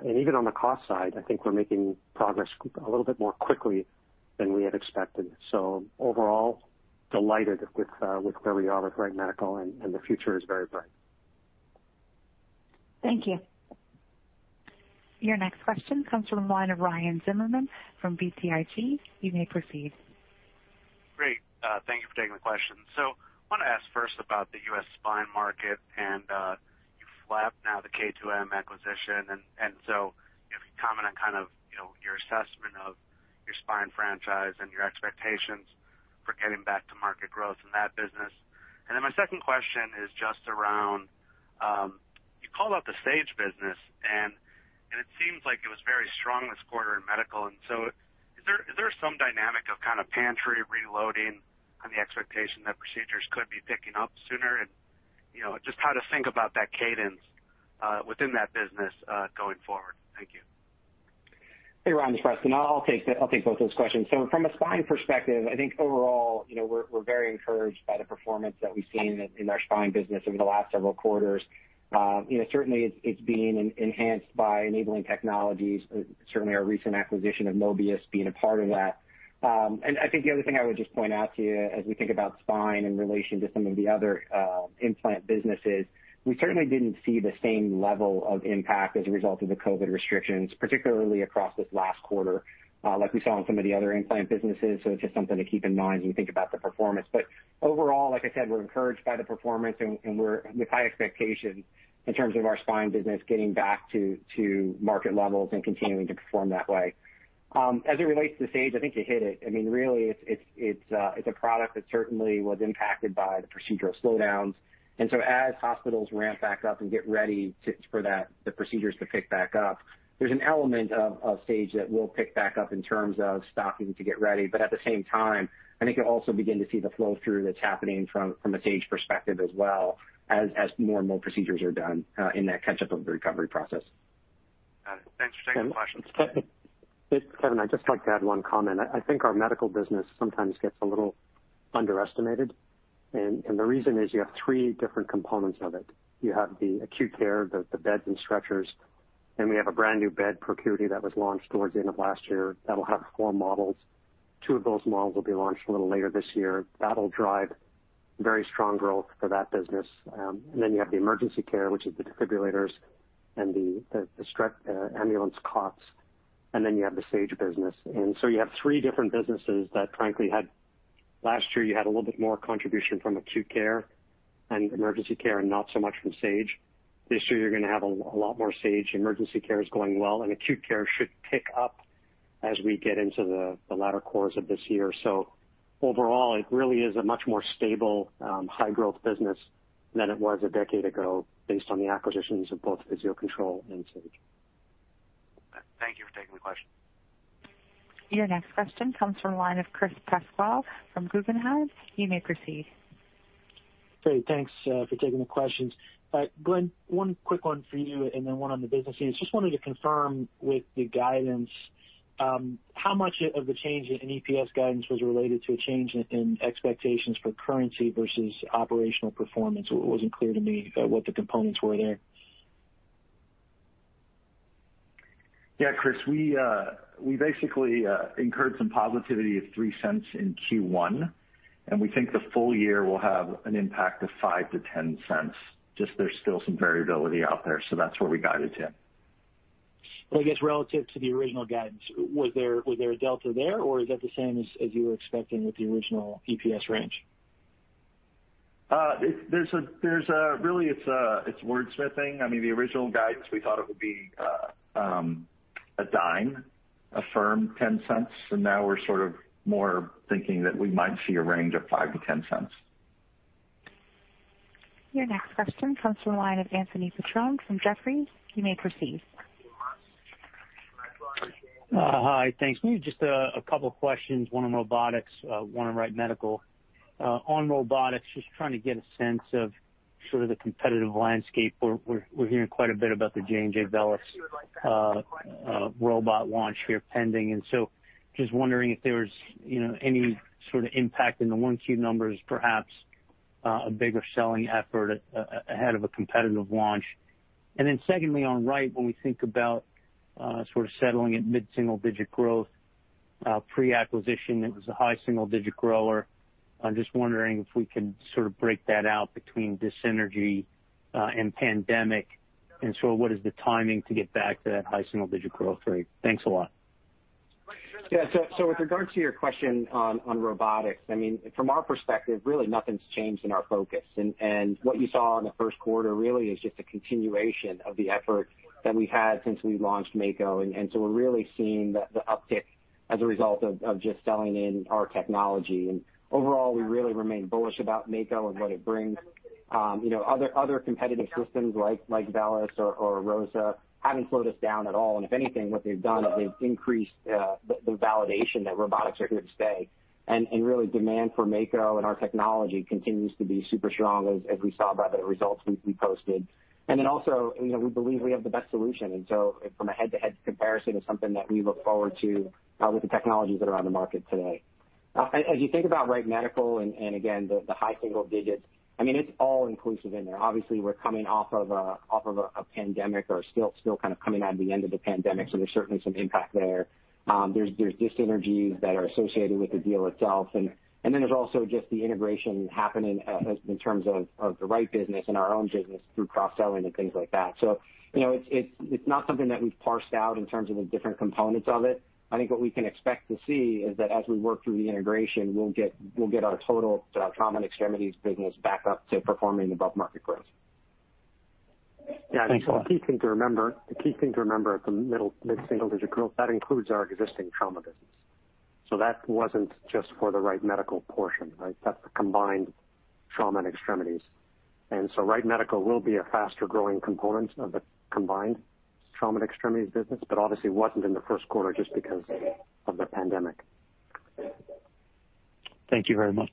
Even on the cost side, I think we're making progress a little bit more quickly than we had expected. Overall, delighted with where we are with Wright Medical, and the future is very bright. Thank you. Your next question comes from the line of Ryan Zimmerman from BTIG. You may proceed. Great. Thank you for taking the question. I want to ask first about the U.S. spine market and you lapped now the K2M acquisition, if you comment on kind of your assessment of your spine franchise and your expectations for getting back to market growth in that business? My second question is just around, you called out the Sage business, and it seems like it was very strong this quarter in medical, is there some dynamic of kind of pantry reloading on the expectation that procedures could be picking up sooner and just how to think about that cadence within that business going forward. Thank you. Hey, Ryan, this is Preston. I'll take both those questions. From a spine perspective, I think overall, we're very encouraged by the performance that we've seen in our spine business over the last several quarters. Certainly, it's being enhanced by enabling technologies, certainly our recent acquisition of Mobius being a part of that. I think the other thing I would just point out to you as we think about spine in relation to some of the other implant businesses, we certainly didn't see the same level of impact as a result of the COVID restrictions, particularly across this last quarter, like we saw in some of the other implant businesses. It's just something to keep in mind as you think about the performance. Overall, like I said, we're encouraged by the performance and with high expectations in terms of our spine business getting back to market levels and continuing to perform that way. As it relates to Sage, I think you hit it. Really, it's a product that certainly was impacted by the procedural slowdowns, and so as hospitals ramp back up and get ready for the procedures to pick back up, there's an element of Sage that will pick back up in terms of stocking to get ready. At the same time, I think you'll also begin to see the flow through that's happening from a Sage perspective as well as more and more procedures are done in that catch-up of the recovery process. Got it. Thanks for taking the questions. It's Kevin, I'd just like to add one comment. I think our medical business sometimes gets a little underestimated, and the reason is you have three different components of it. You have the acute care, the beds and stretchers, and we have a brand new bed for acuity that was launched towards the end of last year that'll have four models. Two of those models will be launched a little later this year. That'll drive very strong growth for that business. You have the emergency care, which is the defibrillators and the ambulance cots, and then you have the Sage business. You have three different businesses that frankly Last year, you had a little bit more contribution from acute care and emergency care and not so much from Sage. This year, you're going to have a lot more Sage. Emergency care is going well, and acute care should pick up as we get into the latter quarters of this year. Overall, it really is a much more stable high-growth business than it was a decade ago based on the acquisitions of both Physio-Control and Sage. Thank you for taking the question. Your next question comes from the line of Chris Pasquale from Guggenheim. You may proceed. Great. Thanks for taking the questions. Glenn, one quick one for you and then one on the business units. Just wanted to confirm with the guidance, how much of the change in EPS guidance was related to a change in expectations for currency versus operational performance? It wasn't clear to me what the components were there. Chris. We basically incurred some positivity of $0.03 in Q1, and we think the full year will have an impact of $0.05-$0.10. There's still some variability out there, so that's where we guided to. I guess relative to the original guidance, was there a delta there, or is that the same as you were expecting with the original EPS range? It's wordsmithing. The original guidance, we thought it would be $0.10, a firm $0.10. Now we're sort of more thinking that we might see a range of $0.05-$0.10. Your next question comes from the line of Anthony Petrone from Jefferies. You may proceed. Hi, thanks. Maybe just a couple of questions, one on robotics, one on Wright Medical. On robotics, just trying to get a sense of sort of the competitive landscape. We're hearing quite a bit about the J&J VELYS robot launch here pending. Just wondering if there was any sort of impact in the 1Q numbers, perhaps a bigger selling effort ahead of a competitive launch. Secondly, on Wright, when we think about sort of settling at mid-single digit growth pre-acquisition, it was a high single digit grower. I'm just wondering if we could sort of break that out between dis-synergy and pandemic. What is the timing to get back to that high single digit growth rate? Thanks a lot. Yeah. With regard to your question on robotics, from our perspective, really nothing's changed in our focus. What you saw in the first quarter really is just a continuation of the effort that we had since we launched Mako. We're really seeing the uptick as a result of just selling in our technology. Overall, we really remain bullish about Mako and what it brings. Other competitive systems like VELYS or ROSA haven't slowed us down at all. If anything, what they've done is they've increased the validation that robotics are here to stay, and really demand for Mako and our technology continues to be super strong, as we saw by the results we posted. Also, we believe we have the best solution. From a head-to-head comparison is something that we look forward to with the technologies that are on the market today. As you think about Wright Medical and again, the high single digits, it's all inclusive in there. Obviously, we're coming off of a pandemic or still kind of coming out of the end of the pandemic, there's certainly some impact there. There's dyssynergies that are associated with the deal itself. There's also just the integration happening in terms of the Wright business and our own business through cross-selling and things like that. It's not something that we've parsed out in terms of the different components of it. I think what we can expect to see is that as we work through the integration, we'll get our total trauma and extremities business back up to performing above market growth. Thanks a lot. Yeah. The key thing to remember at the mid-single digit growth, that includes our existing trauma business. That wasn't just for the Wright Medical portion, right? That's the combined trauma and extremities. Wright Medical will be a faster-growing component of the combined trauma and extremities business, but obviously wasn't in the first quarter just because of the pandemic. Thank you very much.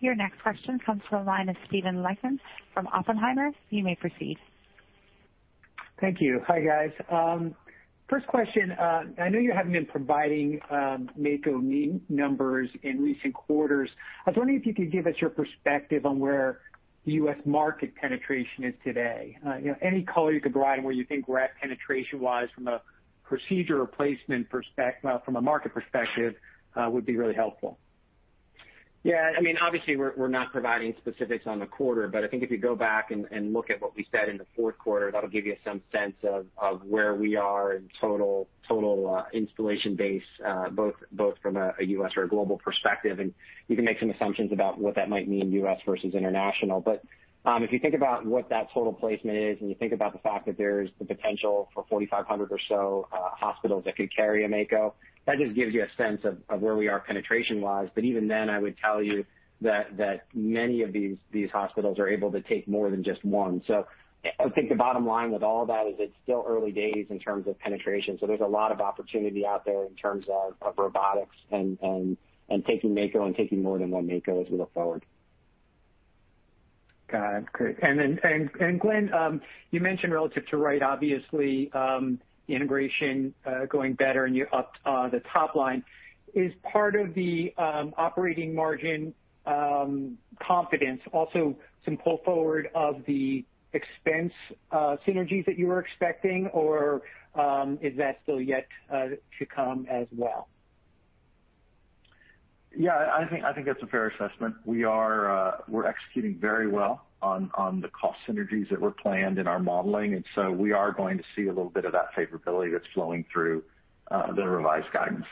Your next question comes from the line of Steven Lichtman from Oppenheimer. You may proceed. Thank you. Hi, guys. First question, I know you haven't been providing Mako numbers in recent quarters. I was wondering if you could give us your perspective on where the U.S. market penetration is today. Any color you could provide on where you think we're at penetration-wise from a procedure replacement perspective, from a market perspective, would be really helpful. Yeah. Obviously, we're not providing specifics on the quarter, but I think if you go back and look at what we said in the fourth quarter, that'll give you some sense of where we are in total installation base, both from a U.S. or a global perspective. You can make some assumptions about what that might mean U.S. versus international. If you think about what that total placement is and you think about the fact that there's the potential for 4,500 or so hospitals that could carry a Mako, that just gives you a sense of where we are penetration wise. Even then, I would tell you that many of these hospitals are able to take more than just one. I think the bottom line with all that is it's still early days in terms of penetration. There's a lot of opportunity out there in terms of robotics and taking Mako and taking more than one Mako as we look forward. Got it. Great. Glenn, you mentioned relative to Wright, obviously, integration going better and you're up the top line. Is part of the operating margin confidence also some pull forward of the expense synergies that you were expecting, or is that still yet to come as well? Yeah, I think that's a fair assessment. We're executing very well on the cost synergies that were planned in our modeling, and so we are going to see a little bit of that favorability that's flowing through the revised guidance.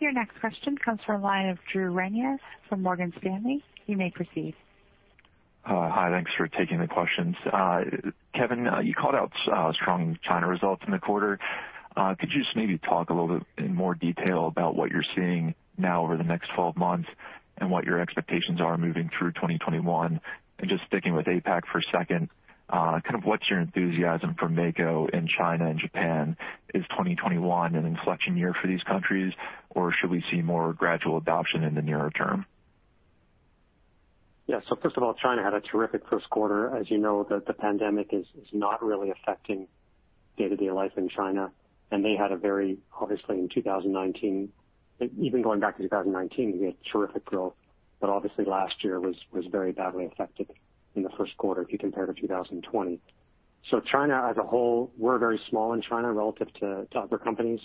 Your next question comes from the line of Drew Ranieri from Morgan Stanley. You may proceed. Hi. Thanks for taking the questions. Kevin, you called out strong China results in the quarter. Could you just maybe talk a little bit in more detail about what you're seeing now over the next 12 months and what your expectations are moving through 2021? Just sticking with APAC for a second, kind of what's your enthusiasm for Mako in China and Japan? Is 2021 an inflection year for these countries, or should we see more gradual adoption in the nearer term? Yeah. First of all, China had a terrific first quarter. As you know, the pandemic is not really affecting day-to-day life in China. They had a very, obviously in 2019, even going back to 2019, we had terrific growth, but obviously last year was very badly affected in the first quarter if you compare to 2020. China as a whole, we're very small in China relative to other companies.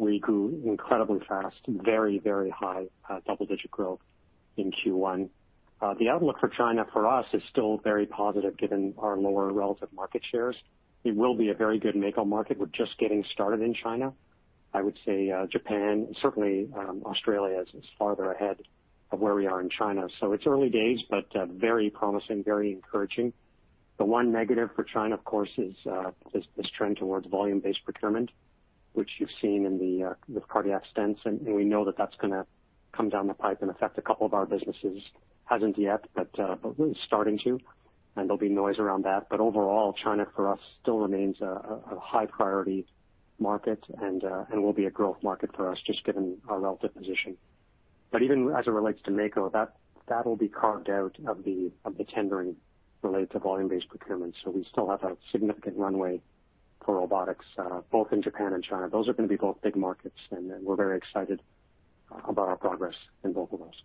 We grew incredibly fast, very high double digit growth in Q1. The outlook for China for us is still very positive given our lower relative market shares. It will be a very good Mako market. We're just getting started in China. I would say Japan, certainly Australia is farther ahead of where we are in China. It's early days, but very promising, very encouraging. The one negative for China, of course, is this trend towards volume-based procurement, which you've seen in the cardiac stents, and we know that that's going to come down the pipe and affect a couple of our businesses. Hasn't yet, but really starting to, and there'll be noise around that. Overall, China for us still remains a high priority market and will be a growth market for us, just given our relative position. Even as it relates to Mako, that'll be carved out of the tendering related to volume-based procurement. We still have a significant runway for robotics, both in Japan and China. Those are going to be both big markets, and we're very excited about our progress in both of those.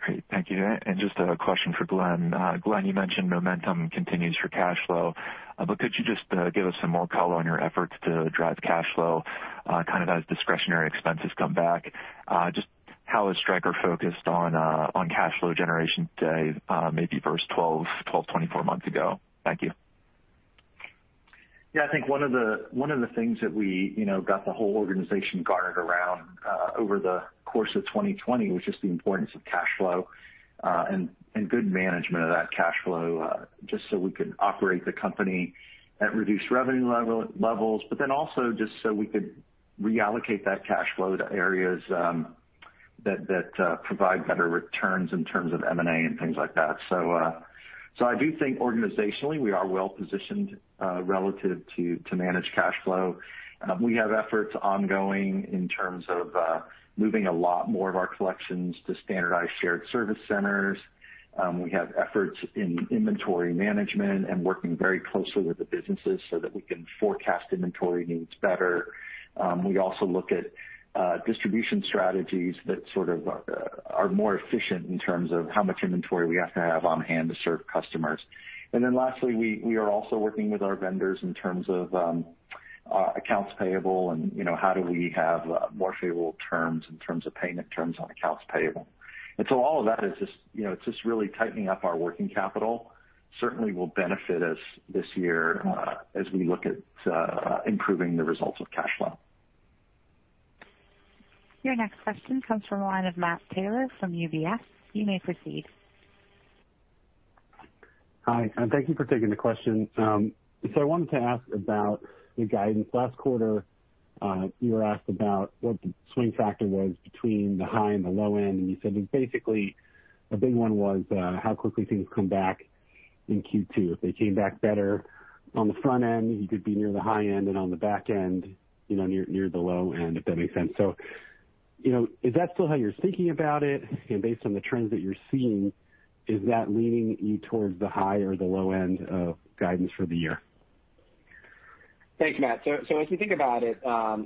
Great. Thank you. Just a question for Glenn. Glenn, you mentioned momentum continues for cash flow, but could you just give us some more color on your efforts to drive cash flow, kind of as discretionary expenses come back? Just how is Stryker focused on cash flow generation today, maybe versus 12, 24 months ago? Thank you. I think one of the things that we got the whole organization guarded around over the course of 2020 was just the importance of cash flow, and good management of that cash flow, just so we could operate the company at reduced revenue levels, also just so we could reallocate that cash flow to areas that provide better returns in terms of M&A and things like that. I do think organizationally, we are well positioned relative to manage cash flow. We have efforts ongoing in terms of moving a lot more of our collections to standardized shared service centers. We have efforts in inventory management and working very closely with the businesses so that we can forecast inventory needs better. We also look at distribution strategies that sort of are more efficient in terms of how much inventory we have to have on hand to serve customers. Lastly, we are also working with our vendors in terms of accounts payable and how do we have more favorable terms in terms of payment terms on accounts payable. All of that it's just really tightening up our working capital. Certainly will benefit us this year as we look at improving the results of cash flow. Your next question comes from the line of Matt Taylor from UBS. You may proceed. Hi, thank you for taking the question. I wanted to ask about the guidance. Last quarter, you were asked about what the swing factor was between the high and the low end, and you said that basically a big one was how quickly things come back in Q2. If they came back better on the front end, you could be near the high end and on the back end, near the low end, if that makes sense. Is that still how you're thinking about it? Based on the trends that you're seeing, is that leaning you towards the high or the low end of guidance for the year? Thanks, Matt. As you think about it,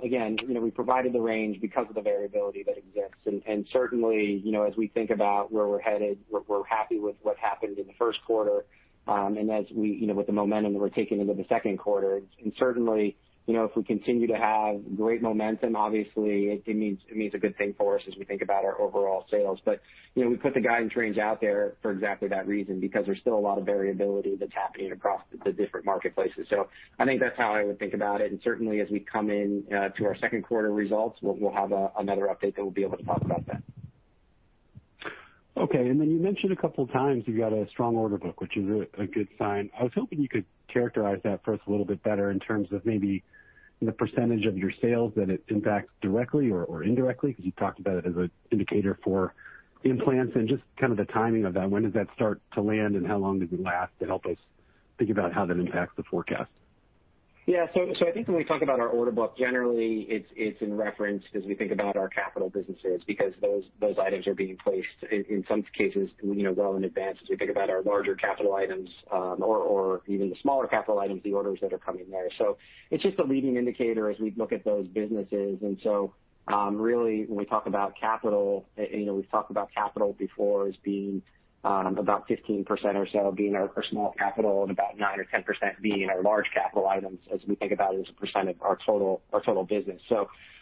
again, we provided the range because of the variability that exists. Certainly, as we think about where we're headed, we're happy with what happened in the first quarter, and with the momentum that we're taking into the second quarter. Certainly, if we continue to have great momentum, obviously it means a good thing for us as we think about our overall sales. We put the guidance range out there for exactly that reason, because there's still a lot of variability that's happening across the different marketplaces. I think that's how I would think about it, and certainly as we come into our second quarter results, we'll have another update that we'll be able to talk about then. Okay, you mentioned a couple of times you've got a strong order book, which is really a good sign. I was hoping you could characterize that for us a little bit better in terms of maybe the percentage of your sales that it impacts directly or indirectly, because you talked about it as an indicator for implants and just kind of the timing of that. When does that start to land, and how long does it last to help us think about how that impacts the forecast? Yeah. I think when we talk about our order book, generally it's in reference as we think about our capital businesses because those items are being placed in some cases well in advance as we think about our larger capital items, or even the smaller capital items, the orders that are coming there. It's just a leading indicator as we look at those businesses. Really when we talk about capital, we've talked about capital before as being about 15% or so being our small capital and about 9% or 10% being our large capital items as we think about it as a percent of our total business.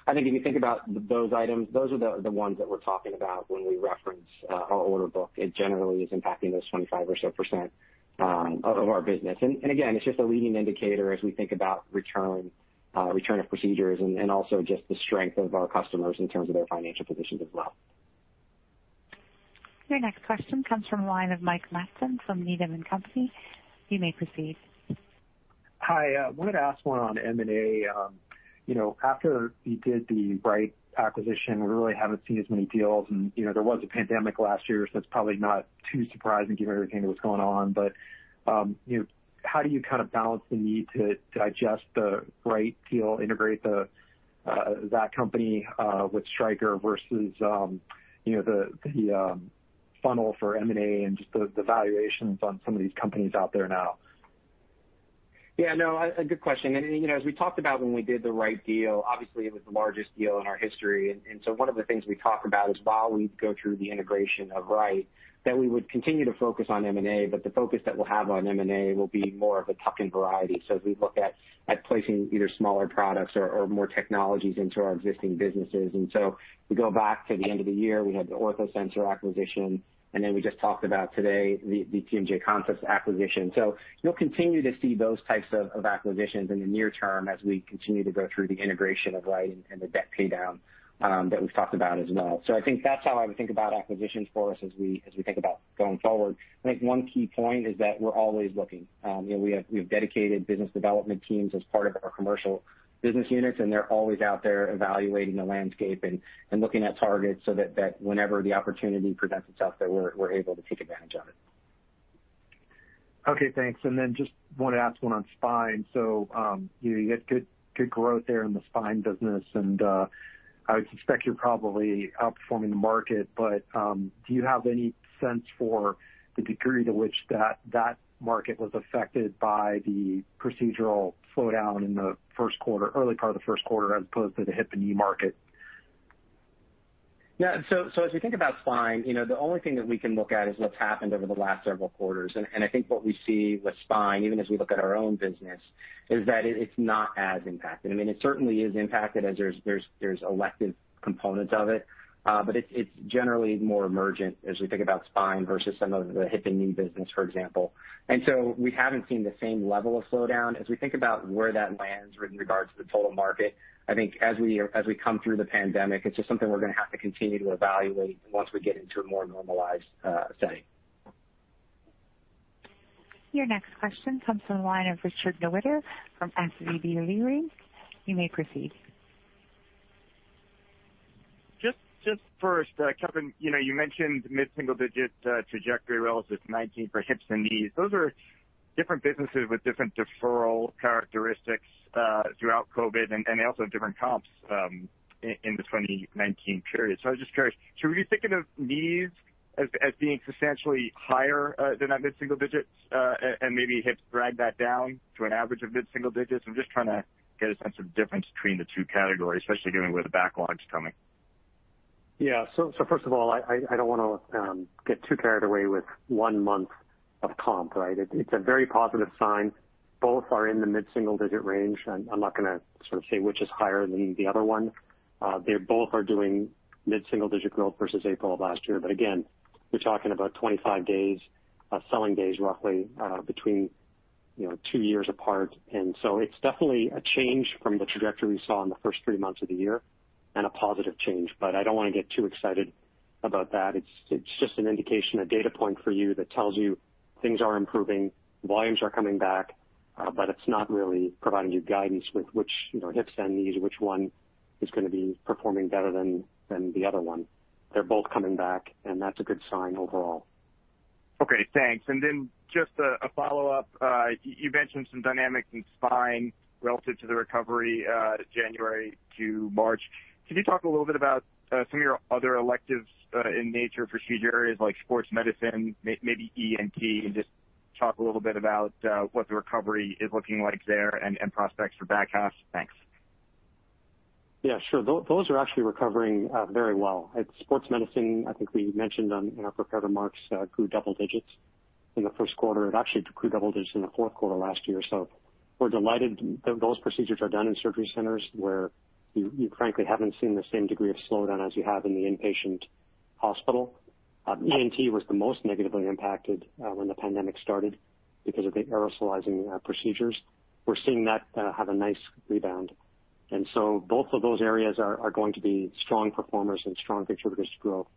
I think if you think about those items, those are the ones that we're talking about when we reference our order book. It generally is impacting those 25% or so of our business. Again, it's just a leading indicator as we think about return of procedures and also just the strength of our customers in terms of their financial positions as well. Your next question comes from the line of Mike Matson from Needham & Company. You may proceed. Hi. I wanted to ask one on M&A. After you did the Wright acquisition, we really haven't seen as many deals, and there was a pandemic last year, so it's probably not too surprising given everything that was going on. How do you kind of balance the need to digest the Wright deal, integrate that company with Stryker versus the funnel for M&A and just the valuations on some of these companies out there now? No, a good question. As we talked about when we did the Wright deal, obviously it was the largest deal in our history. One of the things we talk about is while we go through the integration of Wright, that we would continue to focus on M&A, but the focus that we'll have on M&A will be more of a tuck-in variety. As we look at placing either smaller products or more technologies into our existing businesses. If we go back to the end of the year, we had the OrthoSensor acquisition, and then we just talked about today the TMJ Concepts acquisition. You'll continue to see those types of acquisitions in the near term as we continue to go through the integration of Wright and the debt paydown that we've talked about as well. I think that's how I would think about acquisitions for us as we think about going forward. I think one key point is that we're always looking. We have dedicated business development teams as part of our commercial business units, and they're always out there evaluating the landscape and looking at targets so that whenever the opportunity presents itself, that we're able to take advantage of it. Okay, thanks. Just want to ask one on Spine. You had good growth there in the Spine business, and I would suspect you're probably outperforming the market, but do you have any sense for the degree to which that market was affected by the procedural slowdown in the first quarter, early part of the first quarter, as opposed to the Hip and Knee market? Yeah. As we think about spine, the only thing that we can look at is what's happened over the last several quarters. I think what we see with spine, even as we look at our own business, is that it's not as impacted. I mean, it certainly is impacted as there's elective components of it. It's generally more emergent as we think about spine versus some of the hip and knee business, for example. We haven't seen the same level of slowdown. As we think about where that lands with regards to the total market, I think as we come through the pandemic, it's just something we're going to have to continue to evaluate once we get into a more normalized setting. Your next question comes from the line of Richard Newitter from SVB Leerink. You may proceed. Just first, Kevin, you mentioned mid-single digit trajectory relative to 2019 for hips and knees. Those are different businesses with different deferral characteristics throughout COVID, and they also have different comps in the 2019 period. I was just curious, should we be thinking of knees as being substantially higher than that mid-single digits? Maybe hips drag that down to an average of mid-single digits. I'm just trying to get a sense of difference between the two categories, especially given where the backlog's coming. First of all, I don't want to get too carried away with one month of comp, right. It's a very positive sign. Both are in the mid-single digit range, and I'm not going to sort of say which is higher than the other one. They both are doing mid-single digit growth versus April of last year. Again, we're talking about 25 days of selling days roughly between two years apart. It's definitely a change from the trajectory we saw in the first three months of the year, and a positive change. I don't want to get too excited about that. It's just an indication, a data point for you that tells you things are improving, volumes are coming back, but it's not really providing you guidance with which hips and knees, which one is going to be performing better than the other one. They're both coming back, and that's a good sign overall. Okay, thanks. Just a follow-up. You mentioned some dynamics in spine relative to the recovery, January to March. Can you talk a little bit about some of your other electives in nature procedure areas like sports medicine, maybe ENT, and just talk a little bit about what the recovery is looking like there and prospects for back half? Thanks. Yeah, sure. Those are actually recovering very well. At sports medicine, I think we mentioned in our prepared remarks, grew double digits in the first quarter. It actually grew double digits in the fourth quarter last year. We're delighted that those procedures are done in surgery centers where you frankly haven't seen the same degree of slowdown as you have in the inpatient hospital. ENT was the most negatively impacted when the pandemic started because of the aerosolizing procedures. We're seeing that have a nice rebound. Both of those areas are going to be strong performers and strong contributors to growth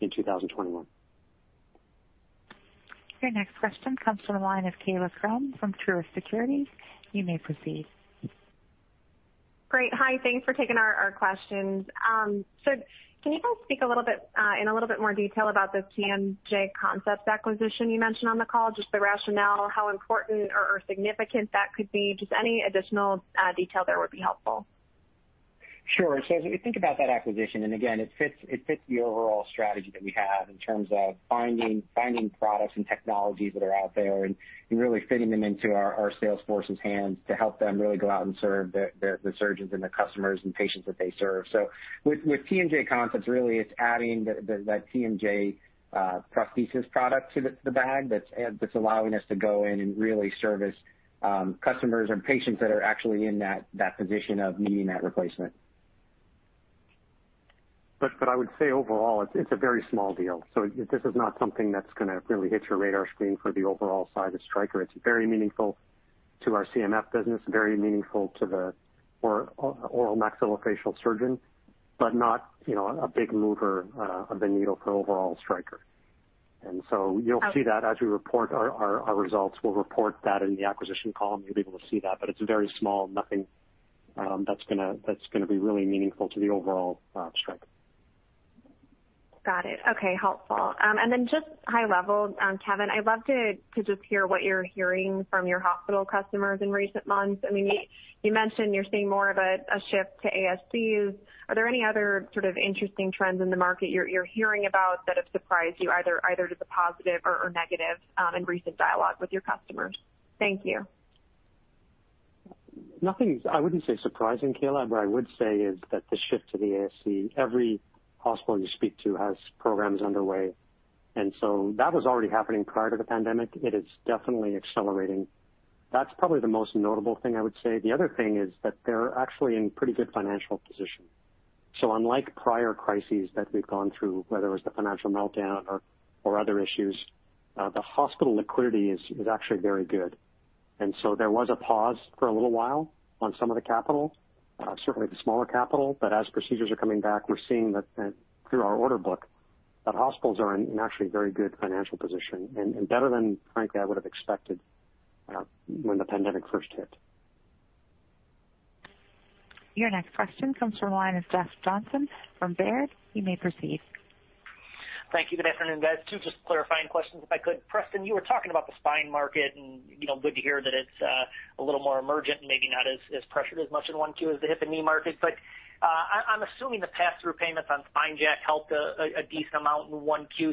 in 2021. Your next question comes from the line of Kaila Krum from Truist Securities. You may proceed. Great. Hi. Thanks for taking our questions. Can you guys speak in a little bit more detail about the TMJ Concepts acquisition you mentioned on the call, just the rationale, how important or significant that could be? Any additional detail there would be helpful. Sure. As we think about that acquisition, and again, it fits the overall strategy that we have in terms of finding products and technologies that are out there and really fitting them into our sales force's hands to help them really go out and serve the surgeons and the customers and patients that they serve. With TMJ Concepts, really, it's adding that TMJ prosthesis product to the bag that's allowing us to go in and really service customers or patients that are actually in that position of needing that replacement. I would say overall, it's a very small deal. This is not something that's going to really hit your radar screen for the overall size of Stryker. It's very meaningful to our CMF business, very meaningful to the oral maxillofacial surgeon, but not a big mover of the needle for overall Stryker. You'll see that as we report our results. We'll report that in the acquisition column. You'll be able to see that, but it's very small. Nothing that's going to be really meaningful to the overall Stryker. Got it. Okay. Helpful. Then just high level, Kevin, I'd love to just hear what you're hearing from your hospital customers in recent months. You mentioned you're seeing more of a shift to ASCs. Are there any other sort of interesting trends in the market you're hearing about that have surprised you, either to the positive or negative in recent dialogue with your customers? Thank you. Nothing, I wouldn't say surprising, Kaila. I would say is that the shift to the ASC. Every hospital you speak to has programs underway. That was already happening prior to the pandemic. It is definitely accelerating. That's probably the most notable thing I would say. The other thing is that they're actually in pretty good financial position. Unlike prior crises that we've gone through, whether it was the financial meltdown or other issues, the hospital liquidity is actually very good. There was a pause for a little while on some of the capital, certainly the smaller capital. As procedures are coming back, we're seeing that through our order book, that hospitals are in actually a very good financial position and better than, frankly, I would've expected when the pandemic first hit. Your next question comes from the line of Jeff Johnson from Baird. You may proceed. Thank you. Good afternoon, guys. Two just clarifying questions, if I could. Preston, you were talking about the spine market and good to hear that it's a little more emergent and maybe not as pressured as much in 1Q as the hip and knee markets. I'm assuming the pass-through payments on SpineJack helped a decent amount in 1Q.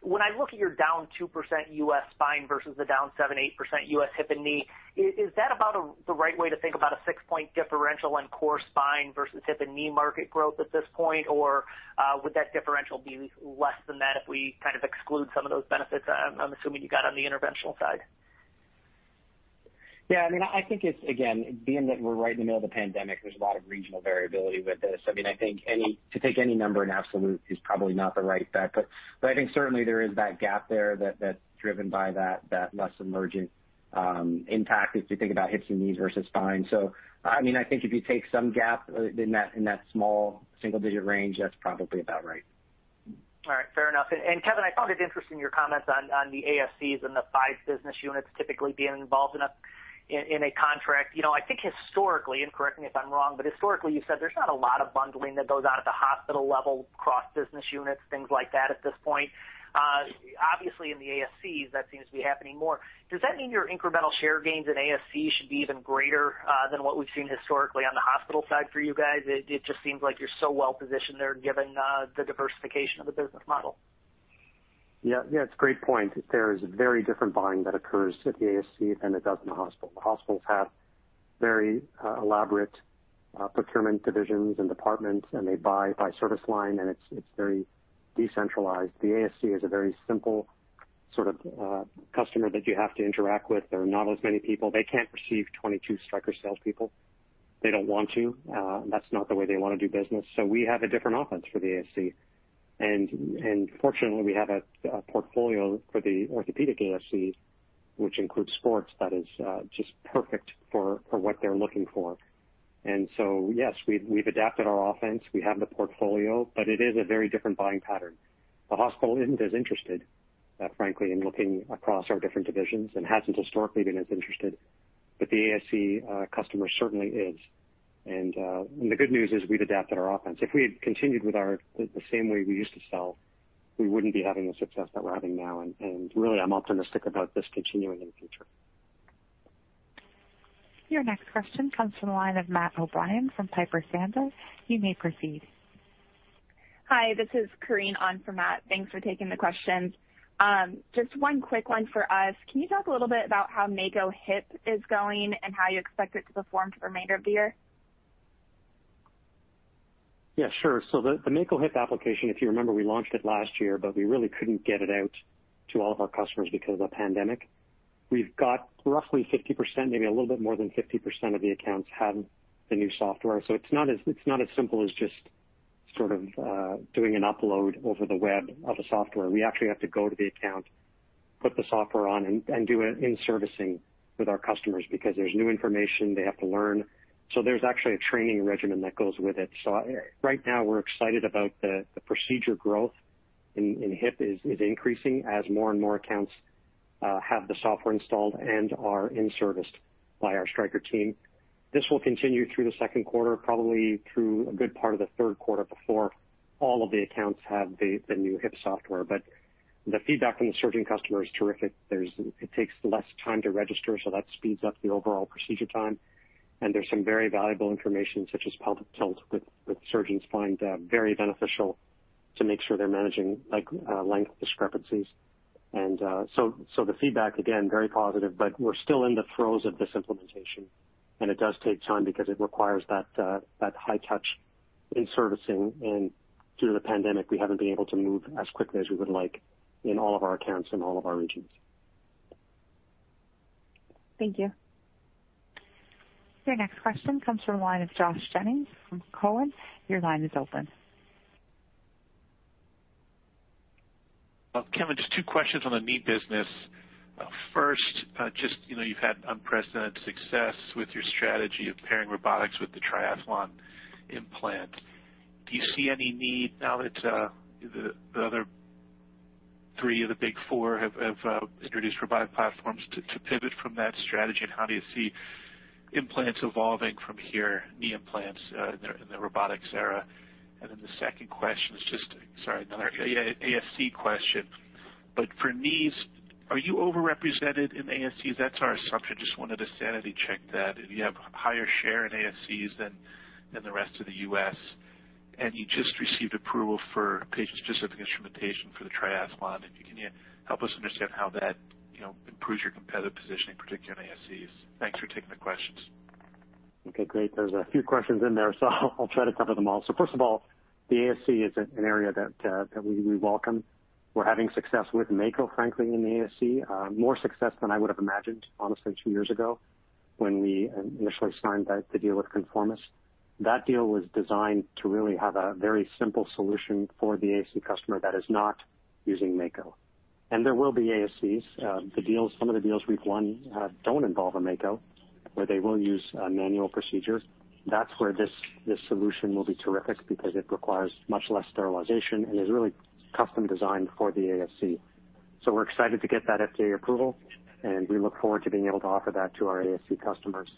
When I look at your down 2% U.S. spine versus the down 7%, 8% U.S. hip and knee, is that about the right way to think about a six-point differential in core spine versus hip and knee market growth at this point? Would that differential be less than that if we kind of exclude some of those benefits I'm assuming you got on the interventional side? I think it's, again, being that we're right in the middle of the pandemic, there's a lot of regional variability with this. I think to take any number in absolute is probably not the right bet, but I think certainly there is that gap there that's driven by that less emergent impact if you think about hips and knees versus spine. I think if you take some gap in that small single-digit range, that's probably about right. All right. Fair enough. Kevin, I found it interesting your comments on the ASCs and the five business units typically being involved in a contract. I think historically, and correct me if I'm wrong, but historically, you've said there's not a lot of bundling that goes on at the hospital level, cross-business units, things like that at this point. Obviously, in the ASCs, that seems to be happening more. Does that mean your incremental share gains in ASCs should be even greater than what we've seen historically on the hospital side for you guys? It just seems like you're so well-positioned there given the diversification of the business model. It's a great point. There is a very different buying that occurs at the ASC than it does in the hospital. The hospitals have very elaborate procurement divisions and departments, and they buy by service line, and it's very decentralized. The ASC is a very simple sort of customer that you have to interact with. There are not as many people. They can't receive 22 Stryker salespeople. They don't want to. That's not the way they want to do business. We have a different offense for the ASC. Fortunately, we have a portfolio for the orthopedic ASC, which includes sports, that is just perfect for what they're looking for. Yes, we've adapted our offense. We have the portfolio, but it is a very different buying pattern. The hospital isn't as interested, frankly, in looking across our different divisions and hasn't historically been as interested. The ASC customer certainly is, and the good news is we've adapted our offense. If we had continued with the same way we used to sell, we wouldn't be having the success that we're having now, and really, I'm optimistic about this continuing in the future. Your next question comes from the line of Matt O'Brien from Piper Sandler. You may proceed. Hi, this is Korinne Wolfmeyer on for Matt. Thanks for taking the questions. Just one quick one for us. Can you talk a little bit about how Mako Hip is going and how you expect it to perform for the remainder of the year? Yeah, sure. The Mako Hip application, if you remember, we launched it last year, but we really couldn't get it out to all of our customers because of the pandemic. We've got roughly 50%, maybe a little bit more than 50% of the accounts have the new software. It's not as simple as just sort of doing an upload over the web of a software. We actually have to go to the account, put the software on, and do an in-servicing with our customers because there's new information they have to learn. There's actually a training regimen that goes with it. Right now, we're excited about the procedure growth, and hip is increasing as more and more accounts have the software installed and are in-serviced by our Stryker team. This will continue through the second quarter, probably through a good part of the third quarter before all of the accounts have the new hip software. The feedback from the surgeon customer is terrific. It takes less time to register, so that speeds up the overall procedure time, and there's some very valuable information such as pelvic tilt, which surgeons find very beneficial to make sure they're managing length discrepancies. The feedback, again, very positive, but we're still in the throes of this implementation, and it does take time because it requires that high touch in servicing. Due to the pandemic, we haven't been able to move as quickly as we would like in all of our accounts in all of our regions. Thank you. Your next question comes from the line of Josh Jennings from Cowen. Your line is open. Well, Kevin, just two questions on the knee business. First, just you've had unprecedented success with your strategy of pairing robotics with the Triathlon implant. Do you see any need now that the other three of the big four have introduced robotic platforms to pivot from that strategy? How do you see implants evolving from here, knee implants in the robotics era? Then the second question is just, sorry, another ASC question. For knees, are you overrepresented in ASCs? That's our assumption. Just wanted to sanity check that if you have higher share in ASCs than the rest of the U.S., and you just received approval for patient-specific instrumentation for the Triathlon. Can you help us understand how that improves your competitive positioning, particularly in ASCs? Thanks for taking the questions. Okay, great. There's a few questions in there. I'll try to cover them all. First of all, the ASC is an area that we welcome. We're having success with Mako, frankly, in the ASC. More success than I would have imagined, honestly, two years ago when we initially signed the deal with Conformis. That deal was designed to really have a very simple solution for the ASC customer that is not using Mako. There will be ASCs. Some of the deals we've won don't involve a Mako, where they will use a manual procedure. That's where this solution will be terrific because it requires much less sterilization and is really custom designed for the ASC. We're excited to get that FDA approval, and we look forward to being able to offer that to our ASC customers.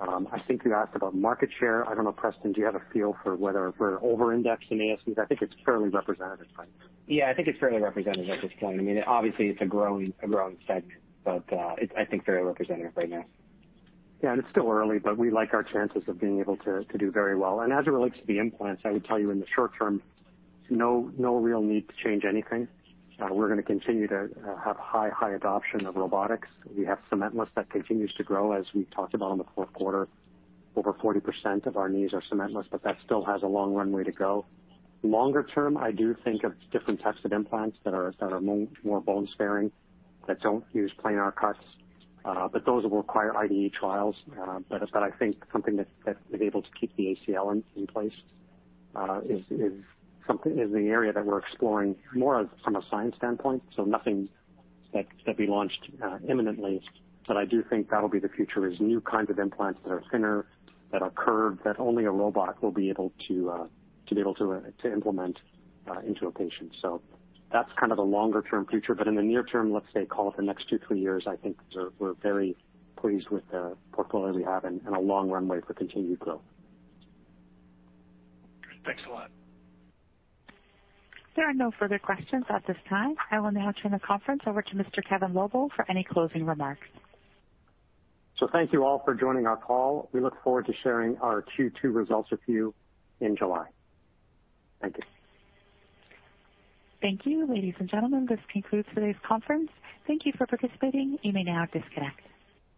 I think you asked about market share. I don't know, Preston, do you have a feel for whether we're over-indexed in ASCs? I think it's fairly representative right now. Yeah, I think it's fairly representative at this point. Obviously, it's a growing segment, but it's, I think, fairly representative right now. It's still early, but we like our chances of being able to do very well. As it relates to the implants, I would tell you in the short term, no real need to change anything. We're going to continue to have high adoption of robotics. We have cement-less that continues to grow, as we talked about in the fourth quarter. Over 40% of our knees are cement-less, but that still has a long runway to go. Longer term, I do think of different types of implants that are more bone-sparing, that don't use planar cuts. Those will require Investigational Device Exemption trials. I think something that is able to keep the ACL in place is the area that we're exploring more from a science standpoint. Nothing that'd be launched imminently, but I do think that'll be the future, is new kinds of implants that are thinner, that are curved, that only a robot will be able to implement into a patient. That's kind of the longer-term future. In the near term, let's say call it the next two, three years, I think we're very pleased with the portfolio we have and a long runway for continued growth. Thanks a lot. There are no further questions at this time. I will now turn the conference over to Mr. Kevin Lobo for any closing remarks. Thank you all for joining our call. We look forward to sharing our Q2 results with you in July. Thank you. Thank you. Ladies and gentlemen, this concludes today's conference. Thank you for participating. You may now disconnect.